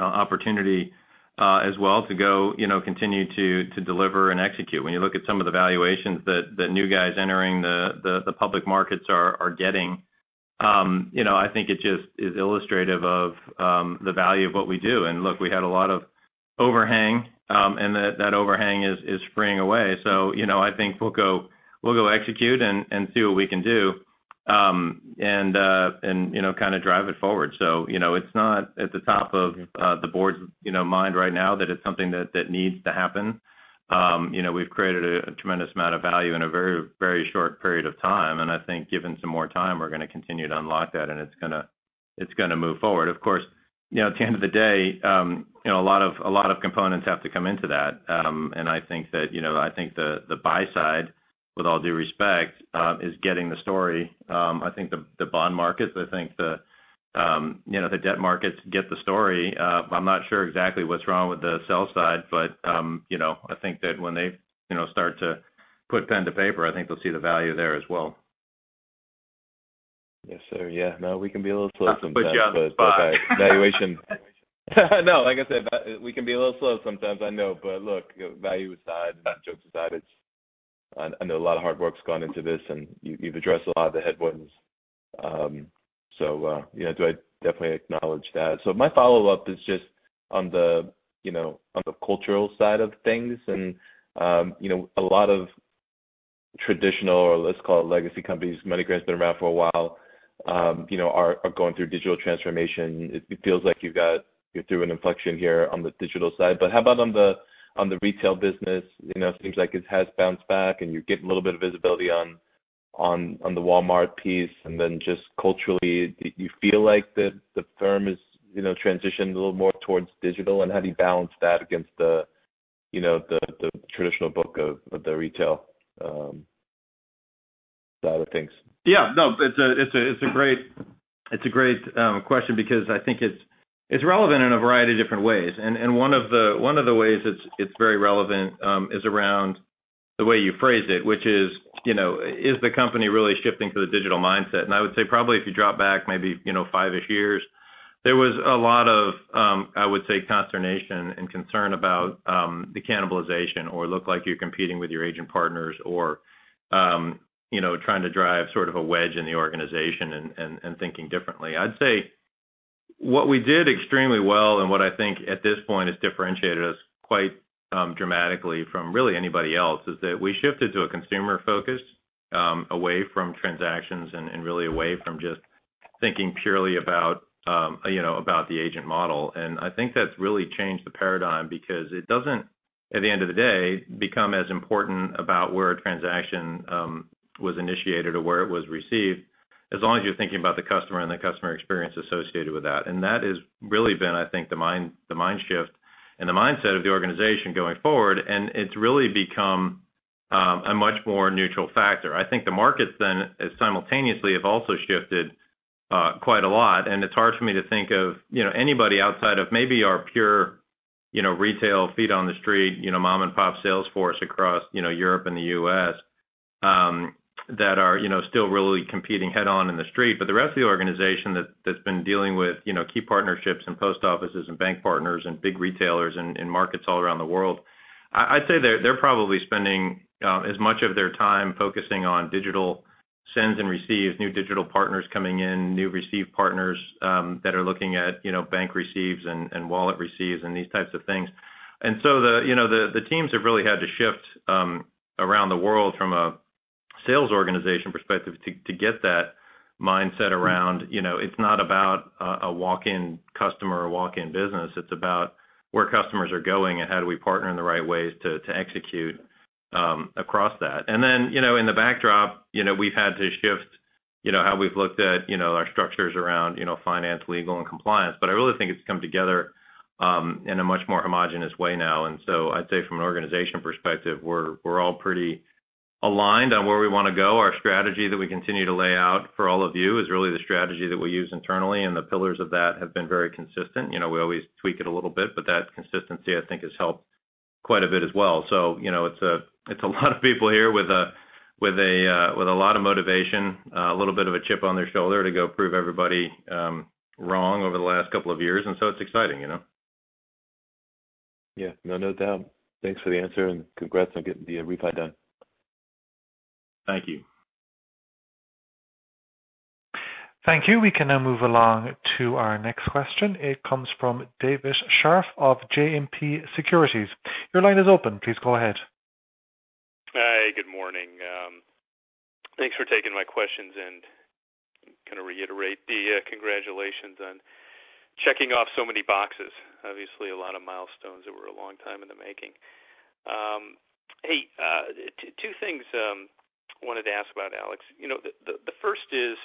there's oftentimes opportunity as well to go continue to deliver and execute. When you look at some of the valuations that new guys entering the public markets are getting, I think it just is illustrative of the value of what we do. Look, we had a lot of overhang, and that overhang is fraying away. I think we'll go execute and see what we can do, and kind of drive it forward. It's not at the top of the board's mind right now that it's something that needs to happen. We've created a tremendous amount of value in a very short period of time, and I think given some more time, we're going to continue to unlock that and it's going to move forward. Of course, at the end of the day a lot of components have to come into that. I think the buy side, with all due respect, is getting the story. I think the bond markets, I think the debt markets get the story. I'm not sure exactly what's wrong with the sell side, but I think that when they start to put pen to paper, I think they'll see the value there as well. Yes, sir. Yeah. No, we can be a little slow sometimes. Put you on the spot. Valuation. No, like I said, we can be a little slow sometimes, I know. Look, value aside and jokes aside, I know a lot of hard work's gone into this and you've addressed a lot of the headwinds. I definitely acknowledge that. My follow-up is just on the cultural side of things. A lot of traditional, or let's call it legacy companies, MoneyGram's been around for a while, are going through digital transformation. It feels like you're through an inflection here on the digital side. How about on the retail business? Seems like it has bounced back and you're getting a little bit of visibility on the Walmart piece. Then just culturally, do you feel like the firm has transitioned a little more towards digital? How do you balance that against the traditional book of the retail side of things? Yeah, no, it's a great question because I think it's relevant in a variety of different ways. One of the ways it's very relevant is around the way you phrased it, which is: Is the company really shifting to the digital mindset? I would say probably if you drop back maybe five-ish years, there was a lot of consternation and concern about the cannibalization or look like you're competing with your agent partners or trying to drive sort of a wedge in the organization and thinking differently. I'd say what we did extremely well. At this point, it's differentiated us quite dramatically from really anybody else, is that we shifted to a consumer focus away from transactions and really away from just thinking purely about the agent model. I think that's really changed the paradigm because it doesn't, at the end of the day, become as important about where a transaction was initiated or where it was received, as long as you're thinking about the customer and the customer experience associated with that. That has really been, I think, the mind shift and the mindset of the organization going forward, and it's really become a much more neutral factor. The markets simultaneously have also shifted quite a lot, and it's hard for me to think of anybody outside of maybe our pure retail feet on the street, mom and pop sales force across Europe and the U.S. that are still really competing head on in the street. The rest of the organization that's been dealing with key partnerships and post offices and bank partners and big retailers in markets all around the world, I'd say they're probably spending as much of their time focusing on digital sends and receives, new digital partners coming in, new receive partners that are looking at bank receives and wallet receives and these types of things. The teams have really had to shift around the world from a sales organization perspective to get that mindset around it's not about a walk-in customer or walk-in business, it's about where customers are going and how do we partner in the right ways to execute across that. In the backdrop, we've had to shift how we've looked at our structures around finance, legal, and compliance. I really think it's come together in a much more homogenous way now. I'd say from an organization perspective, we're all pretty aligned on where we want to go. Our strategy that we continue to lay out for all of you is really the strategy that we use internally, and the pillars of that have been very consistent. We always tweak it a little bit, but that consistency, I think, has helped quite a bit as well. It's a lot of people here with a lot of motivation, a little bit of a chip on their shoulder to go prove everybody wrong over the last couple of years. It's exciting. Yeah. No doubt. Thanks for the answer and congrats on getting the DPA done. Thank you. Thank you. We can now move along to our next question. It comes from David Scharf of JMP Securities. Your line is open. Please go ahead. Hi. Good morning. Thanks for taking my questions and kind of reiterate the congratulations on checking off so many boxes. Obviously, a lot of milestones that were a long time in the making. Hey, two things I wanted to ask about, Alex. The first is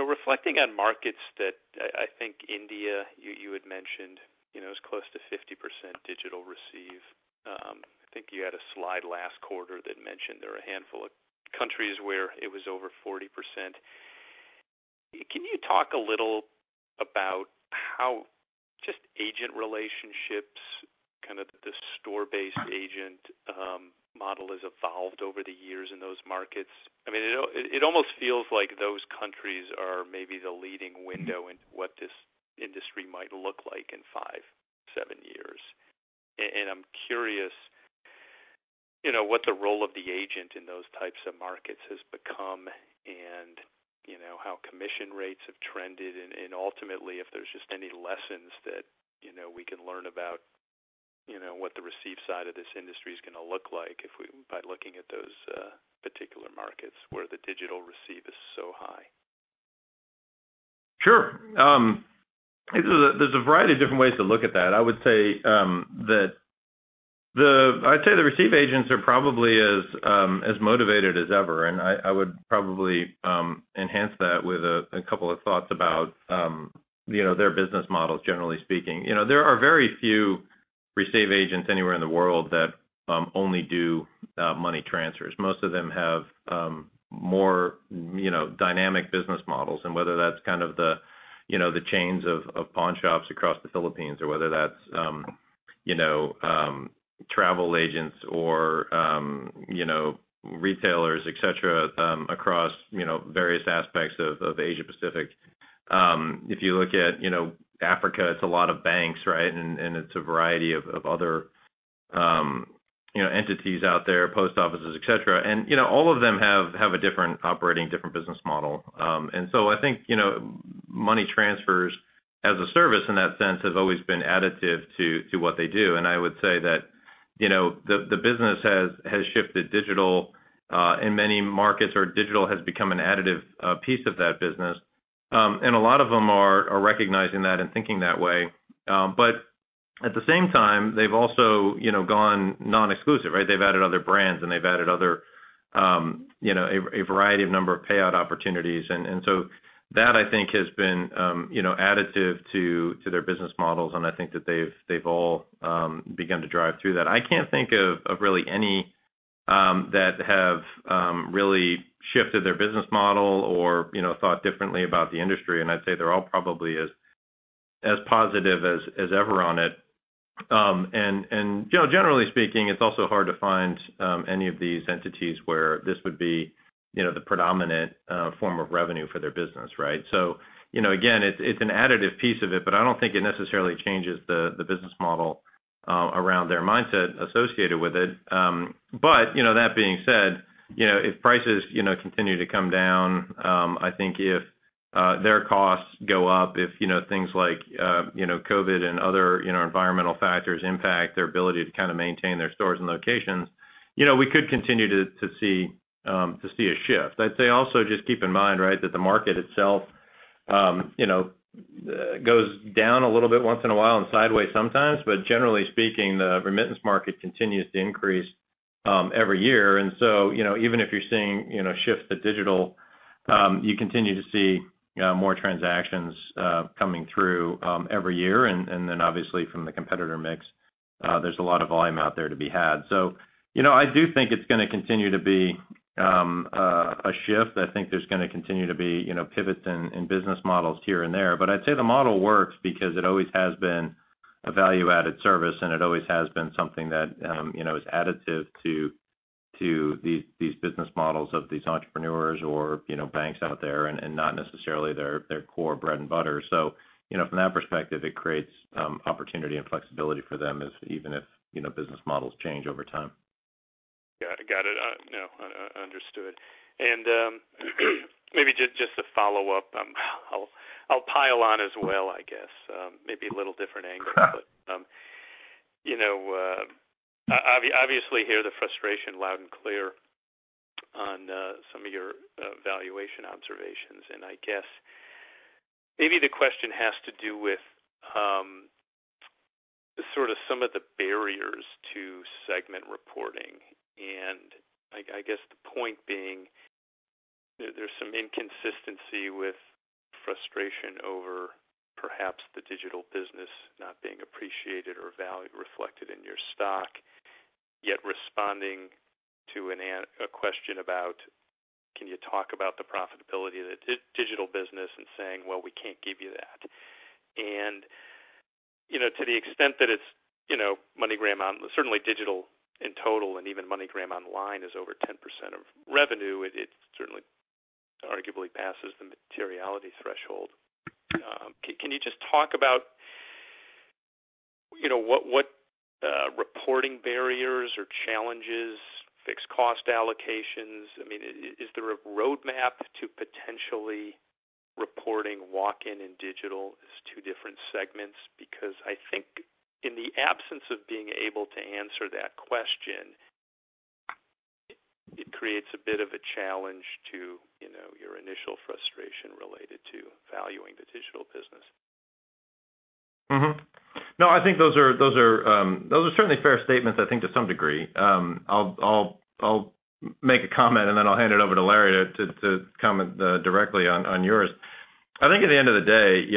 reflecting on markets that I think India, you had mentioned, is close to 50% digital receive. I think you had a slide last quarter that mentioned there are a handful of countries where it was over 40%. Can you talk a little about how just agent relationships, kind of the store-based agent model, has evolved over the years in those markets? It almost feels like those countries are maybe the leading window into what this industry might look like in five, seven years. I'm curious what the role of the agent in those types of markets has become and how commission rates have trended and ultimately, if there's just any lessons that we can learn about what the receive side of this industry is going to look like by looking at those particular markets where the digital receive is so high. Sure. There's a variety of different ways to look at that. I would say the receive agents are probably as motivated as ever, and I would probably enhance that with a couple of thoughts about their business models, generally speaking. There are very few receive agents anywhere in the world that only do money transfers. Most of them have more dynamic business models. Whether that's kind of the chains of pawn shops across the Philippines or whether that's travel agents or retailers, et cetera, across various aspects of Asia Pacific. If you look at Africa, it's a lot of banks, right? It's a variety of other entities out there, post offices, et cetera. All of them have a different operating, different business model. I think money transfers as a service in that sense have always been additive to what they do. I would say that the business has shifted digital in many markets or digital has become an additive piece of that business. A lot of them are recognizing that and thinking that way. At the same time, they've also gone non-exclusive, right? They've added other brands and they've added a variety of number of payout opportunities. That I think has been additive to their business models and I think that they've all begun to drive through that. I can't think of really any that have really shifted their business model or thought differently about the industry. I'd say they're all probably as positive as ever on it. Generally speaking, it's also hard to find any of these entities where this would be the predominant form of revenue for their business, right? Again, it's an additive piece of it, but I don't think it necessarily changes the business model around their mindset associated with it. That being said, if prices continue to come down, I think their costs go up if things like COVID and other environmental factors impact their ability to maintain their stores and locations, we could continue to see a shift. I'd say also just keep in mind that the market itself goes down a little bit once in a while and sideways sometimes. Generally speaking, the remittance market continues to increase every year. Even if you're seeing shifts to digital, you continue to see more transactions coming through every year. Then obviously from the competitor mix, there's a lot of volume out there to be had. I do think it's going to continue to be a shift. I think there's going to continue to be pivots in business models here and there. I'd say the model works because it always has been a value-added service, and it always has been something that is additive to these business models of these entrepreneurs or banks out there and not necessarily their core bread and butter. From that perspective, it creates opportunity and flexibility for them even if business models change over time. Got it. Understood. Maybe just to follow up, I'll pile on as well, I guess. Maybe a little different angle. Obviously hear the frustration loud and clear on some of your valuation observations. I guess maybe the question has to do with sort of some of the barriers to segment reporting. I guess the point being, there's some inconsistency with frustration over perhaps the digital business not being appreciated or value reflected in your stock, yet responding to a question about can you talk about the profitability of the digital business and saying, "Well, we can't give you that." To the extent that it's MoneyGram, certainly digital in total and even MoneyGram Online is over 10% of revenue, it certainly arguably passes the materiality threshold. Can you just talk about what reporting barriers or challenges, fixed cost allocations? Is there a roadmap to potentially reporting walk-in and digital as two different segments? Because I think in the absence of being able to answer that question, it creates a bit of a challenge to your initial frustration related to valuing the digital business. I think those are certainly fair statements, I think to some degree. I'll make a comment, and then I'll hand it over to Larry to comment directly on yours. I think at the end of the day,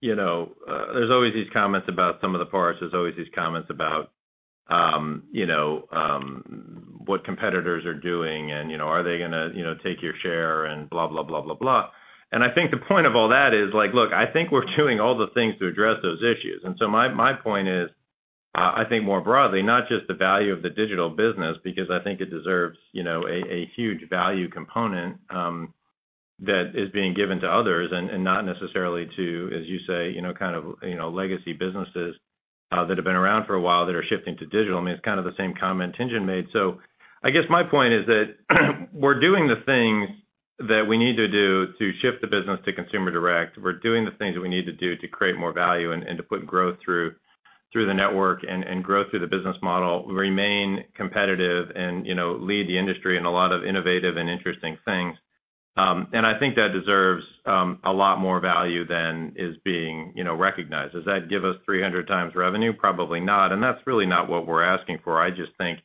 there's always these comments about some of the forces. There's always these comments about what competitors are doing and are they going to take your share and blah, blah. I think the point of all that is look, I think we're doing all the things to address those issues. My point is, I think more broadly, not just the value of the digital business because I think it deserves a huge value component that is being given to others and not necessarily to, as you say, kind of legacy businesses that have been around for a while that are shifting to digital. It's kind of the same comment Tien-Tsin Huang made. I guess my point is that we're doing the things that we need to do to shift the business to consumer direct. We're doing the things that we need to do to create more value and to put growth through the network and growth through the business model, remain competitive and lead the industry in a lot of innovative and interesting things. I think that deserves a lot more value than is being recognized. Does that give us 300 times revenue? Probably not. That's really not what we're asking for. I just think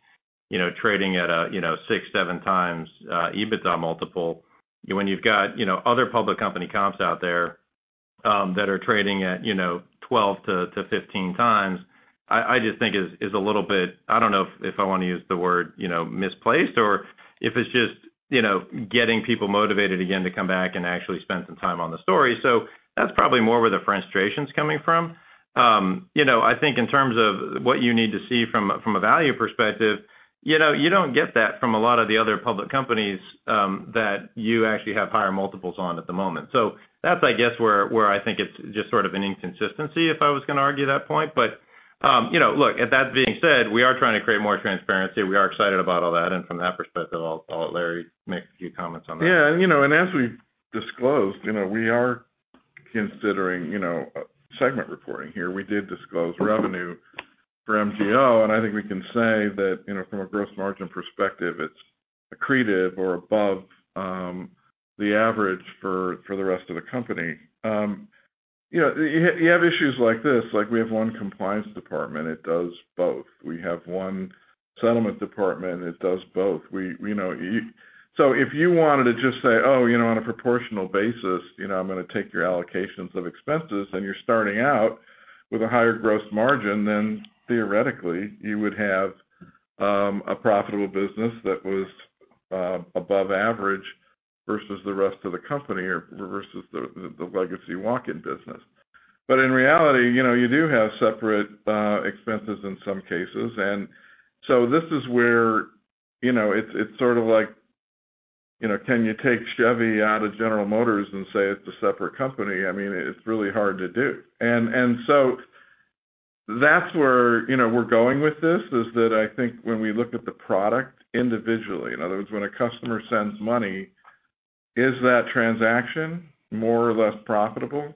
trading at a 6x-7x EBITDA multiple when you've got other public company comps out there that are trading at 12x-15x, I just think is a little bit, I don't know if I want to use the word misplaced or if it's just getting people motivated again to come back and actually spend some time on the story. That's probably more where the frustration's coming from. I think in terms of what you need to see from a value perspective, you don't get that from a lot of the other public companies that you actually have higher multiples on at the moment. That's I guess where I think it's just sort of an inconsistency if I was going to argue that point. Look, that being said, we are trying to create more transparency. We are excited about all that, and from that perspective, I'll let Larry make a few comments on that. Yeah, as we've disclosed, we are considering segment reporting here. We did disclose revenue for MGO, and I think we can say that from a gross margin perspective, it's accretive or above the average for the rest of the company. You have issues like this, like we have one compliance department. It does both. We have one settlement department. It does both. If you wanted to just say, "Oh, on a proportional basis I'm going to take your allocations of expenses," then you're starting out with a higher gross margin than theoretically you would have a profitable business that was above average versus the rest of the company or versus the legacy walk-in business. In reality, you do have separate expenses in some cases, and so this is where it's sort of like can you take Chevrolet out of General Motors and say it's a separate company? It's really hard to do. That's where we're going with this. I think when we look at the product individually, in other words, when a customer sends money, is that transaction more or less profitable?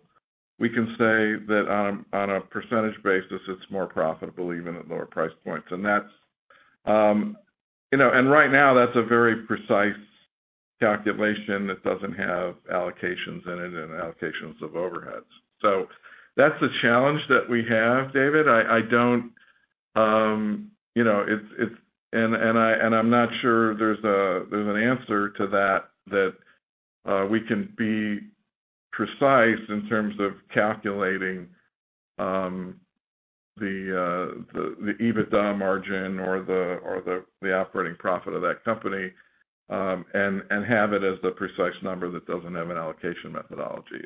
We can say that on a percentage basis, it's more profitable even at lower price points. Right now, that's a very precise calculation that doesn't have allocations in it and allocations of overheads. That's the challenge that we have, David. I'm not sure there's an answer to that we can be precise in terms of calculating the EBITDA margin or the operating profit of that company and have it as the precise number that doesn't have an allocation methodology.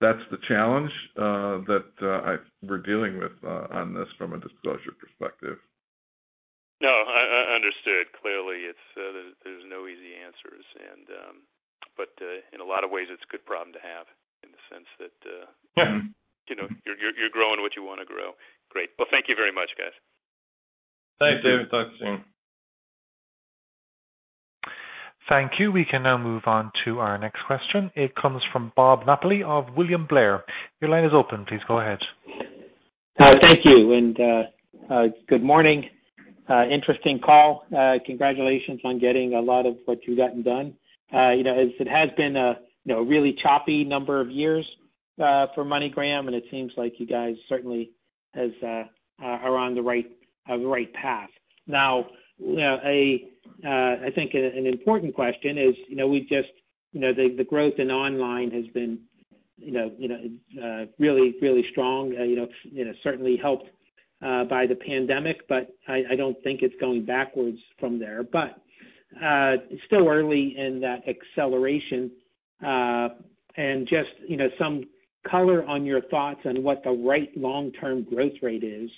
That's the challenge that we're dealing with on this from a disclosure perspective. No, understood. Clearly, there's no easy answers. In a lot of ways, it's a good problem to have in the sense that. Yeah. You're growing what you want to grow. Great. Well, thank you very much, guys. Thanks, David. Talk soon. Thank you. We can now move on to our next question. It comes from Bob Napoli of William Blair. Your line is open. Please go ahead. Thank you, good morning. Interesting call. Congratulations on getting a lot of what you've gotten done. It has been a really choppy number of years for MoneyGram, and it seems like you guys certainly are on the right path. I think an important question is, the growth in online has been really strong, certainly helped by the pandemic, but I don't think it's going backwards from there. It's still early in that acceleration. Just some color on your thoughts on what the right long-term growth rate is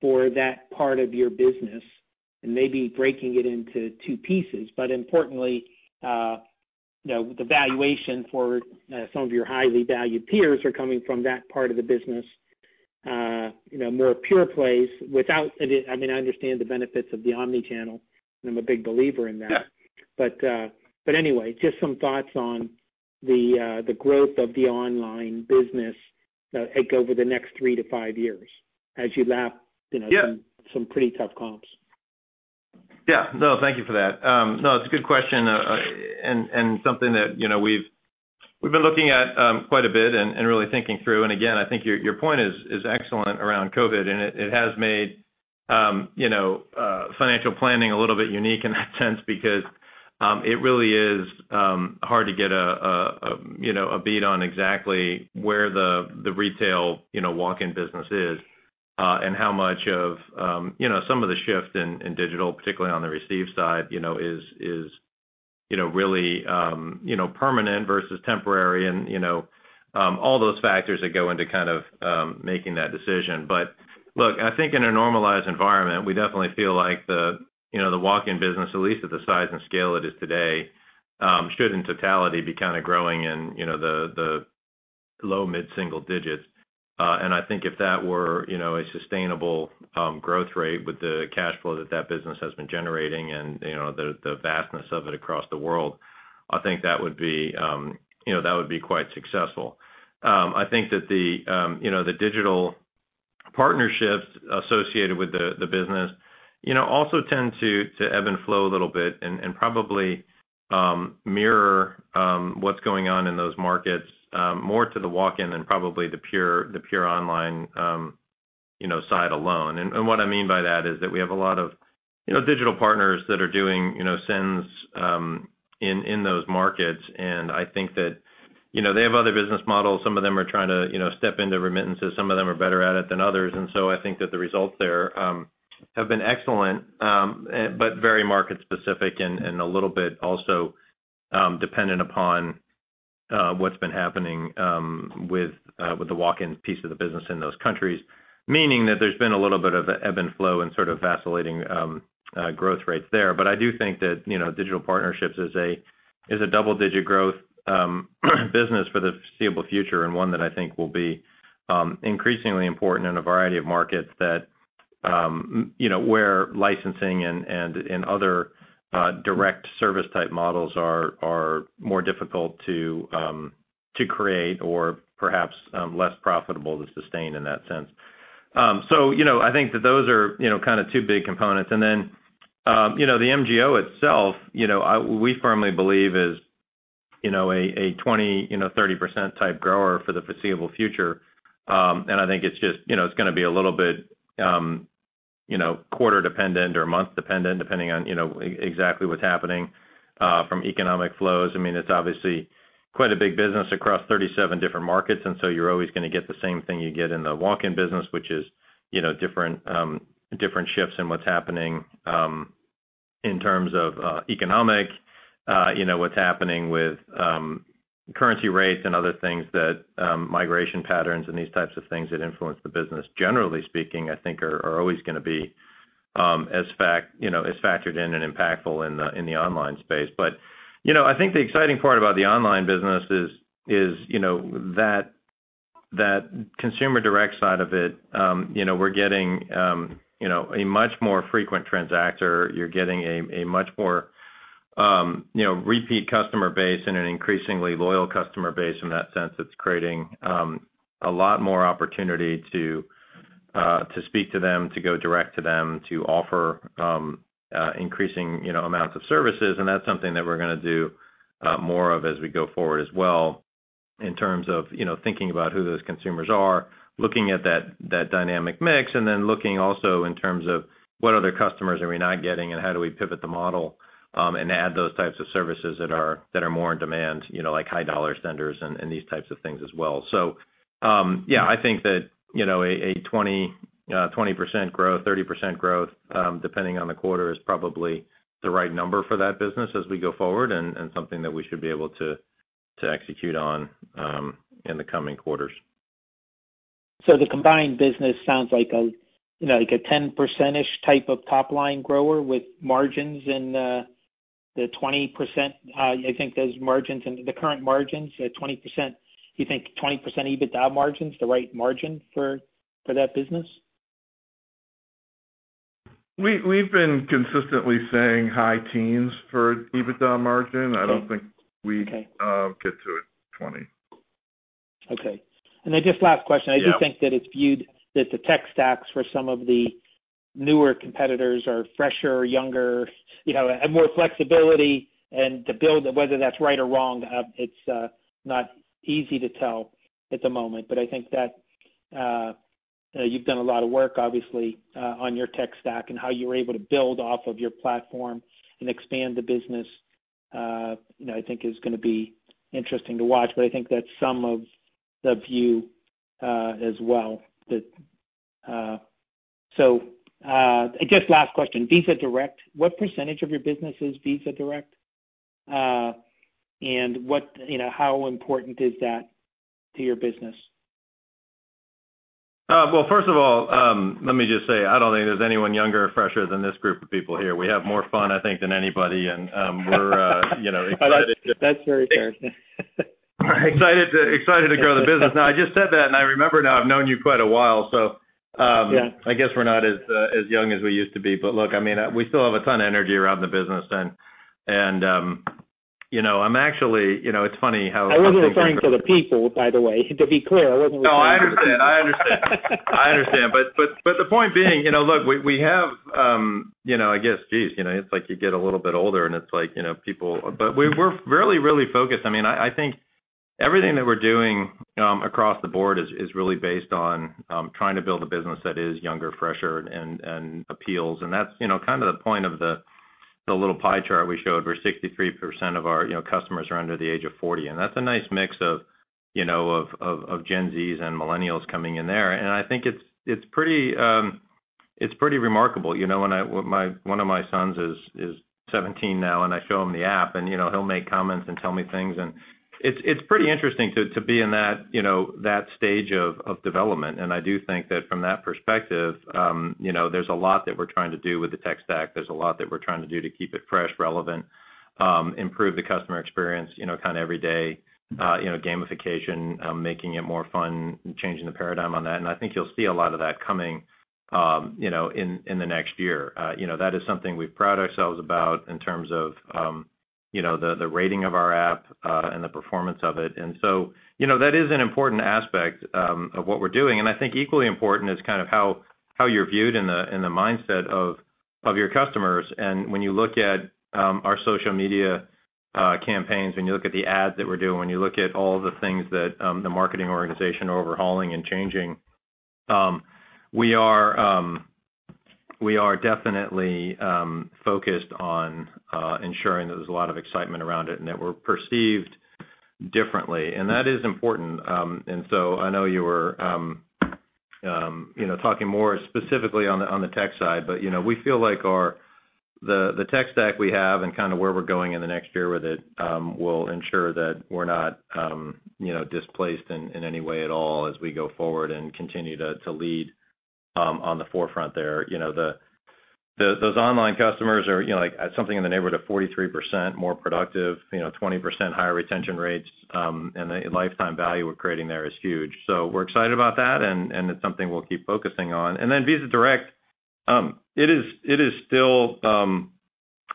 for that part of your business, and maybe breaking it into two pieces. Importantly the valuation for some of your highly valued peers are coming from that part of the business more pure plays. I understand the benefits of the omni-channel, and I'm a big believer in that. Yeah. Anyway, just some thoughts on the growth of the online business over the next three-five years as you lap.- Yeah. Some pretty tough comps. Yeah. No, thank you for that. No, it's a good question. Something that we've been looking at quite a bit and really thinking through. Again, I think your point is excellent around COVID, and it has made financial planning a little bit unique in that sense because it really is hard to get a bead on exactly where the retail walk-in business is and how much of some of the shift in digital, particularly on the receive side is really permanent versus temporary and all those factors that go into kind of making that decision. Look, I think in a normalized environment, we definitely feel like the walk-in business, at least at the size and scale it is today should in totality be kind of growing in the low mid-single digits. I think if that were a sustainable growth rate with the cash flow that business has been generating and the vastness of it across the world, I think that would be quite successful. I think that the digital partnerships associated with the business also tend to ebb and flow a little bit and probably mirror what's going on in those markets more to the walk-in than probably the pure online side alone. What I mean by that is that we have a lot of digital partners that are doing sends in those markets, and I think that they have other business models. Some of them are trying to step into remittances. Some of them are better at it than others. I think that the results there have been excellent but very market specific and a little bit also dependent upon what's been happening with the walk-in piece of the business in those countries, meaning that there's been a little bit of ebb and flow and sort of vacillating growth rates there. I do think that digital partnerships is a double-digit growth business for the foreseeable future, and one that I think will be increasingly important in a variety of markets where licensing and other direct service type models are more difficult to create or perhaps less profitable to sustain in that sense. I think that those are two big components. The MGO itself we firmly believe is a 20%, 30% type grower for the foreseeable future. I think it's going to be a little bit quarter dependent or month dependent depending on exactly what's happening from economic flows. It's obviously quite a big business across 37 different markets, so you're always going to get the same thing you get in the walk-in business, which is different shifts in what's happening in terms of economic, what's happening with currency rates and other things that migration patterns and these types of things that influence the business, generally speaking, I think are always going to be. As fact in and impactful in the online space. I think the exciting part about the online business is that consumer direct side of it, we're getting a much more frequent transactor. You're getting a much more repeat customer base and an increasingly loyal customer base. In that sense, it's creating a lot more opportunity to speak to them, to go direct to them, to offer increasing amounts of services. That's something that we're going to do more of as we go forward as well in terms of thinking about who those consumers are, looking at that dynamic mix, and then looking also in terms of what other customers are we not getting and how do we pivot the model and add those types of services that are more in demand, like high dollar senders and these types of things as well. Yeah, I think that a 20% growth, 30% growth, depending on the quarter, is probably the right number for that business as we go forward and something that we should be able to execute on in the coming quarters. The combined business sounds like a 10%-ish type of top-line grower with margins in the 20%. You think the current margins at 20%, you think 20% EBITDA margin's the right margin for that business? We've been consistently saying high teens for EBITDA margin. Okay. I don't think we get to a 20. Okay. Just last question? Yeah. I do think that it's viewed that the tech stacks for some of the newer competitors are fresher, younger, and more flexibility. Whether that's right or wrong, it's not easy to tell at the moment. I think that you've done a lot of work, obviously, on your tech stack and how you're able to build off of your platform and expand the business, I think is going to be interesting to watch. I think that's some of the view as well. Just last question. Visa Direct, what percentage of your business is Visa Direct? How important is that to your business? Well, first of all, let me just say, I don't think there's anyone younger or fresher than this group of people here. We have more fun, I think, than anybody. That's very fair. We're excited to grow the business. I just said that, and I remember now I've known you quite a while. Yeah. I guess we're not as young as we used to be. Look, we still have a ton of energy around the business. I wasn't referring to the people, by the way, to be clear, I wasn't referring to the people. No, I understand. The point being, look, I guess, jeez, it's like you get a little bit older and it's like people. We're really focused. I think everything that we're doing across the board is really based on trying to build a business that is younger, fresher, and appeals. That's kind of the point of the little pie chart we showed, where 63% of our customers are under the age of 40. That's a nice mix of Gen Zs and millennials coming in there. I think it's pretty remarkable. One of my sons is 17 now, and I show him the app, and he'll make comments and tell me things. It's pretty interesting to be in that stage of development. I do think that from that perspective there's a lot that we're trying to do with the tech stack. There's a lot that we're trying to do to keep it fresh, relevant, improve the customer experience, kind of every day, gamification, making it more fun and changing the paradigm on that. I think you'll see a lot of that coming in the next year. That is something we pride ourselves about in terms of the rating of our app and the performance of it. So that is an important aspect of what we're doing. I think equally important is how you're viewed in the mindset of your customers. When you look at our social media campaigns, when you look at the ads that we're doing, when you look at all the things that the marketing organization are overhauling and changing, we are definitely focused on ensuring that there's a lot of excitement around it and that we're perceived differently. That is important. I know you were talking more specifically on the tech side, but we feel like the tech stack we have and where we're going in the next year with it will ensure that we're not displaced in any way at all as we go forward and continue to lead on the forefront there. Those online customers are something in the neighborhood of 43% more productive, 20% higher retention rates, and the lifetime value we're creating there is huge. We're excited about that, and it's something we'll keep focusing on. Then Visa Direct. It is still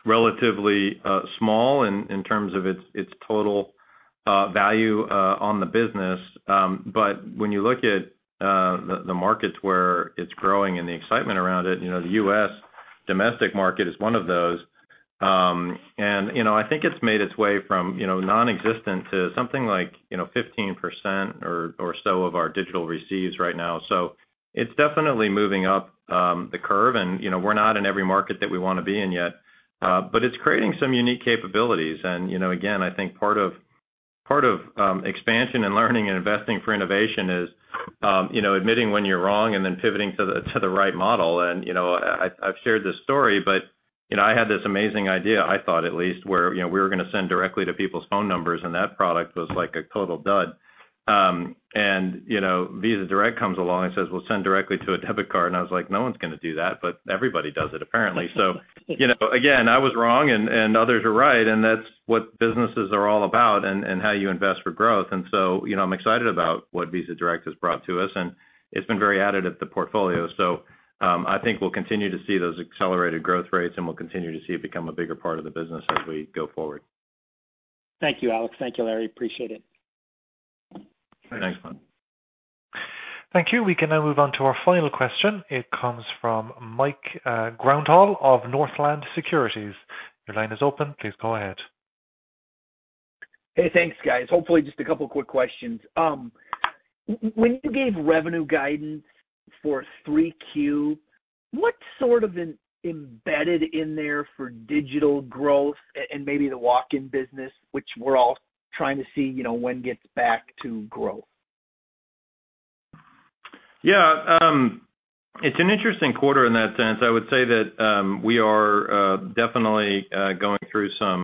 relatively small in terms of its total value on the business. When you look at the markets where it's growing and the excitement around it, the U.S. domestic market is one of those. I think it's made its way from non-existent to something like 15% or so of our digital receives right now. It's definitely moving up the curve. We're not in every market that we want to be in yet, but it's creating some unique capabilities. Again, I think part of expansion and learning and investing for innovation is admitting when you're wrong and then pivoting to the right model. I've shared this story but I had this amazing idea, I thought at least, where we were going to send directly to people's phone numbers, and that product was like a total dud. Visa Direct comes along and says, "We'll send directly to a debit card." I was like, "No one's going to do that." Everybody does it, apparently. Again, I was wrong and others are right, and that's what businesses are all about and how you invest for growth. I'm excited about what Visa Direct has brought to us, and it's been very additive to the portfolio. I think we'll continue to see those accelerated growth rates, and we'll continue to see it become a bigger part of the business as we go forward. Thank you, Alex. Thank you, Larry. Appreciate it. Thanks, Bob. Thank you. We can now move on to our final question. It comes from Michael Grondahl of Northland Securities. Your line is open. Please go ahead. Hey, thanks, guys. Hopefully, just a couple quick questions. When you gave revenue guidance for 3Q, what's sort of embedded in there for digital growth and maybe the walk-in business, which we're all trying to see when gets back to growth? Yeah. It's an interesting quarter in that sense. I would say that we are definitely going through some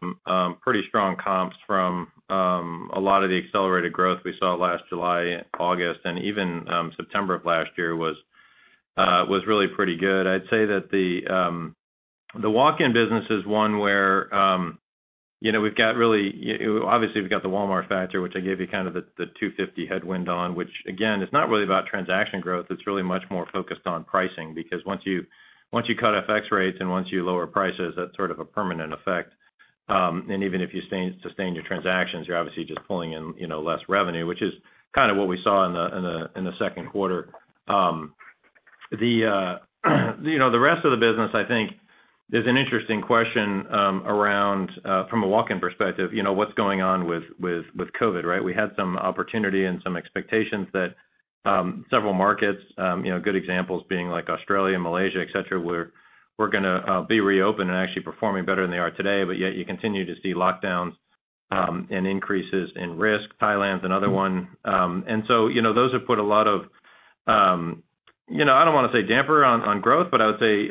pretty strong comps from a lot of the accelerated growth we saw last July, August, and even September of last year was really pretty good. I'd say that the walk-in business is one where obviously we've got the Walmart factor, which I gave you kind of the $250 headwind on, which again, is not really about transaction growth, it's really much more focused on pricing. Once you cut FX rates and once you lower prices, that's sort of a permanent effect. Even if you sustain your transactions, you're obviously just pulling in less revenue, which is kind of what we saw in the second quarter. The rest of the business, I think, there's an interesting question around from a walk-in perspective, what's going on with COVID, right? We had some opportunity and some expectations that several markets, good examples being Australia, Malaysia, et cetera, were going to be reopened and actually performing better than they are today. Yet you continue to see lockdowns and increases in risk. Thailand's another one. Those have put a lot of, I don't want to say damper on growth, but I would say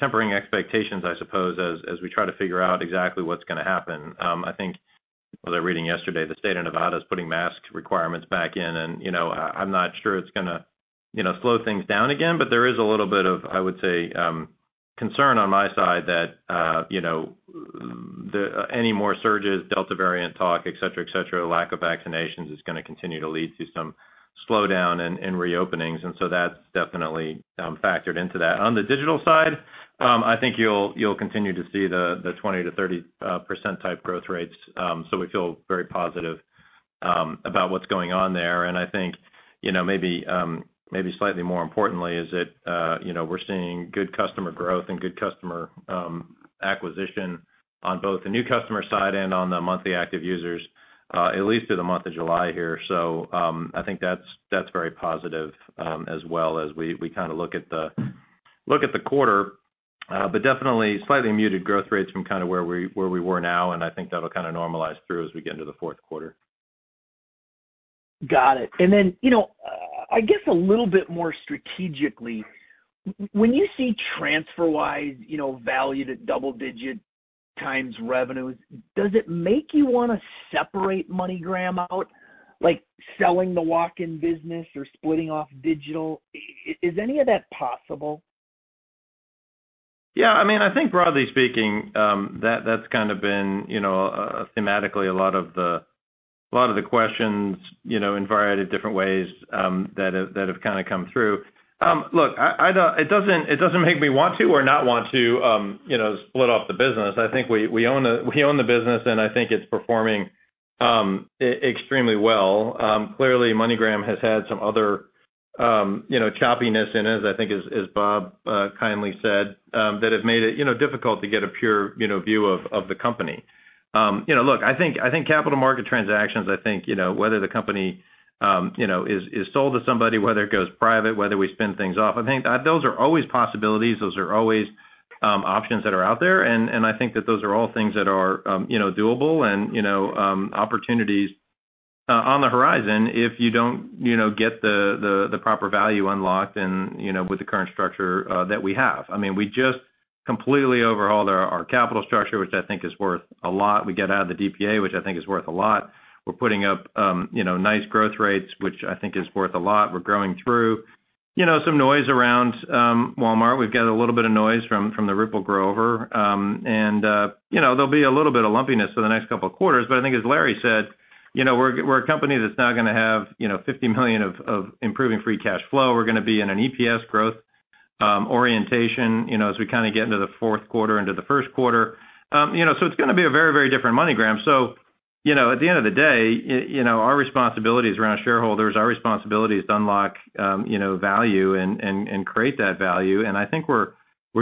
tempering expectations, I suppose, as we try to figure out exactly what's going to happen. I was reading yesterday, the state of Nevada is putting mask requirements back in, and I'm not sure it's going to slow things down again, but there is a little bit of, I would say, concern on my side that any more surges, Delta variant talk, et cetera, et cetera, lack of vaccinations, is going to continue to lead to some slowdown in reopenings. That's definitely factored into that. On the digital side, I think you'll continue to see the 20%-30% type growth rates. We feel very positive about what's going on there. I think maybe slightly more importantly is that we're seeing good customer growth and good customer acquisition on both the new customer side and on the monthly active users, at least through the month of July here. I think that's very positive as well, as we kind of look at the quarter. Definitely slightly muted growth rates from kind of where we were now, and I think that'll kind of normalize through as we get into the fourth quarter. Got it. I guess a little bit more strategically, when you see Wise valued at double-digit times revenues, does it make you want to separate MoneyGram out? Like selling the walk-in business or splitting off digital? Is any of that possible? Yeah. I think broadly speaking, that's kind of been thematically a lot of the questions in a variety of different ways that have kind of come through. Look, it doesn't make me want to or not want to split off the business. We own the business, and I think it's performing extremely well. Clearly, MoneyGram has had some other choppiness in it, I think as Bob kindly said, that have made it difficult to get a pure view of the company. Look, I think capital market transactions, I think whether the company is sold to somebody, whether it goes private, whether we spin things off, I think those are always possibilities. Those are always options that are out there, and I think that those are all things that are doable and opportunities on the horizon if you don't get the proper value unlocked with the current structure that we have. We just completely overhauled our capital structure, which I think is worth a lot. We get out of the DPA, which I think is worth a lot. We're putting up nice growth rates, which I think is worth a lot. We're growing through some noise around Walmart. We've got a little bit of noise from the Ripple rollover. There'll be a little bit of lumpiness for the next couple of quarters. I think as Larry said, we're a company that's now going to have $50 million of improving free cash flow. We're going to be in an EPS growth orientation as we kind of get into the fourth quarter, into the first quarter. It's going to be a very, very different MoneyGram. At the end of the day, our responsibility is around shareholders. Our responsibility is to unlock value and create that value. I think we're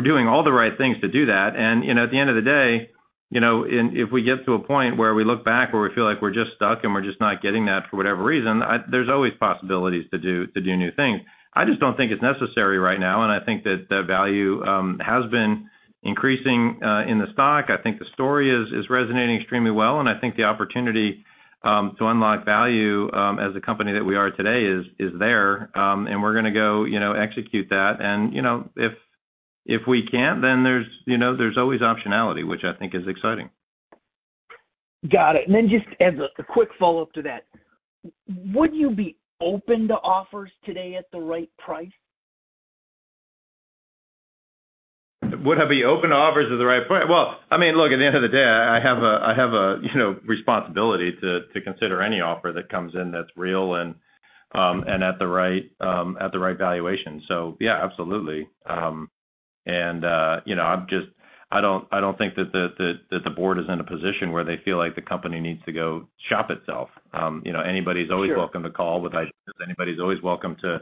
doing all the right things to do that. At the end of the day, if we get to a point where we look back where we feel like we're just stuck and we're just not getting that for whatever reason, there's always possibilities to do new things. I just don't think it's necessary right now, I think that the value has been increasing in the stock. I think the story is resonating extremely well, I think the opportunity to unlock value as a company that we are today is there. We're going to go execute that. If we can't, then there's always optionality, which I think is exciting. Got it. Just as a quick follow-up to that, would you be open to offers today at the right price? Would I be open to offers at the right price? Well, look, at the end of the day, I have a responsibility to consider any offer that comes in that's real and at the right valuation. Yeah, absolutely. I don't think that the board is in a position where they feel like the company needs to go shop itself. Sure. Anybody's always welcome to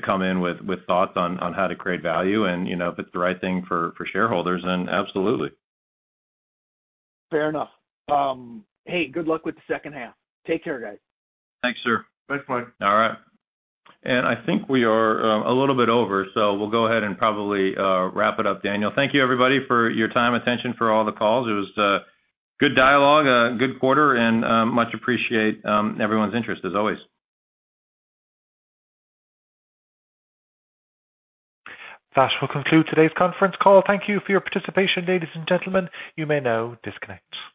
come in with thoughts on how to create value. If it's the right thing for shareholders, then absolutely. Fair enough. Hey, good luck with the second half. Take care, guys. Thanks, sir. Thanks, Mike. All right. I think we are a little bit over, so we'll go ahead and probably wrap it up, Daniel. Thank you, everybody, for your time, attention, for all the calls. It was a good dialogue, a good quarter, and much appreciate everyone's interest as always. That will conclude today's conference call. Thank you for your participation, ladies and gentlemen. You may now disconnect.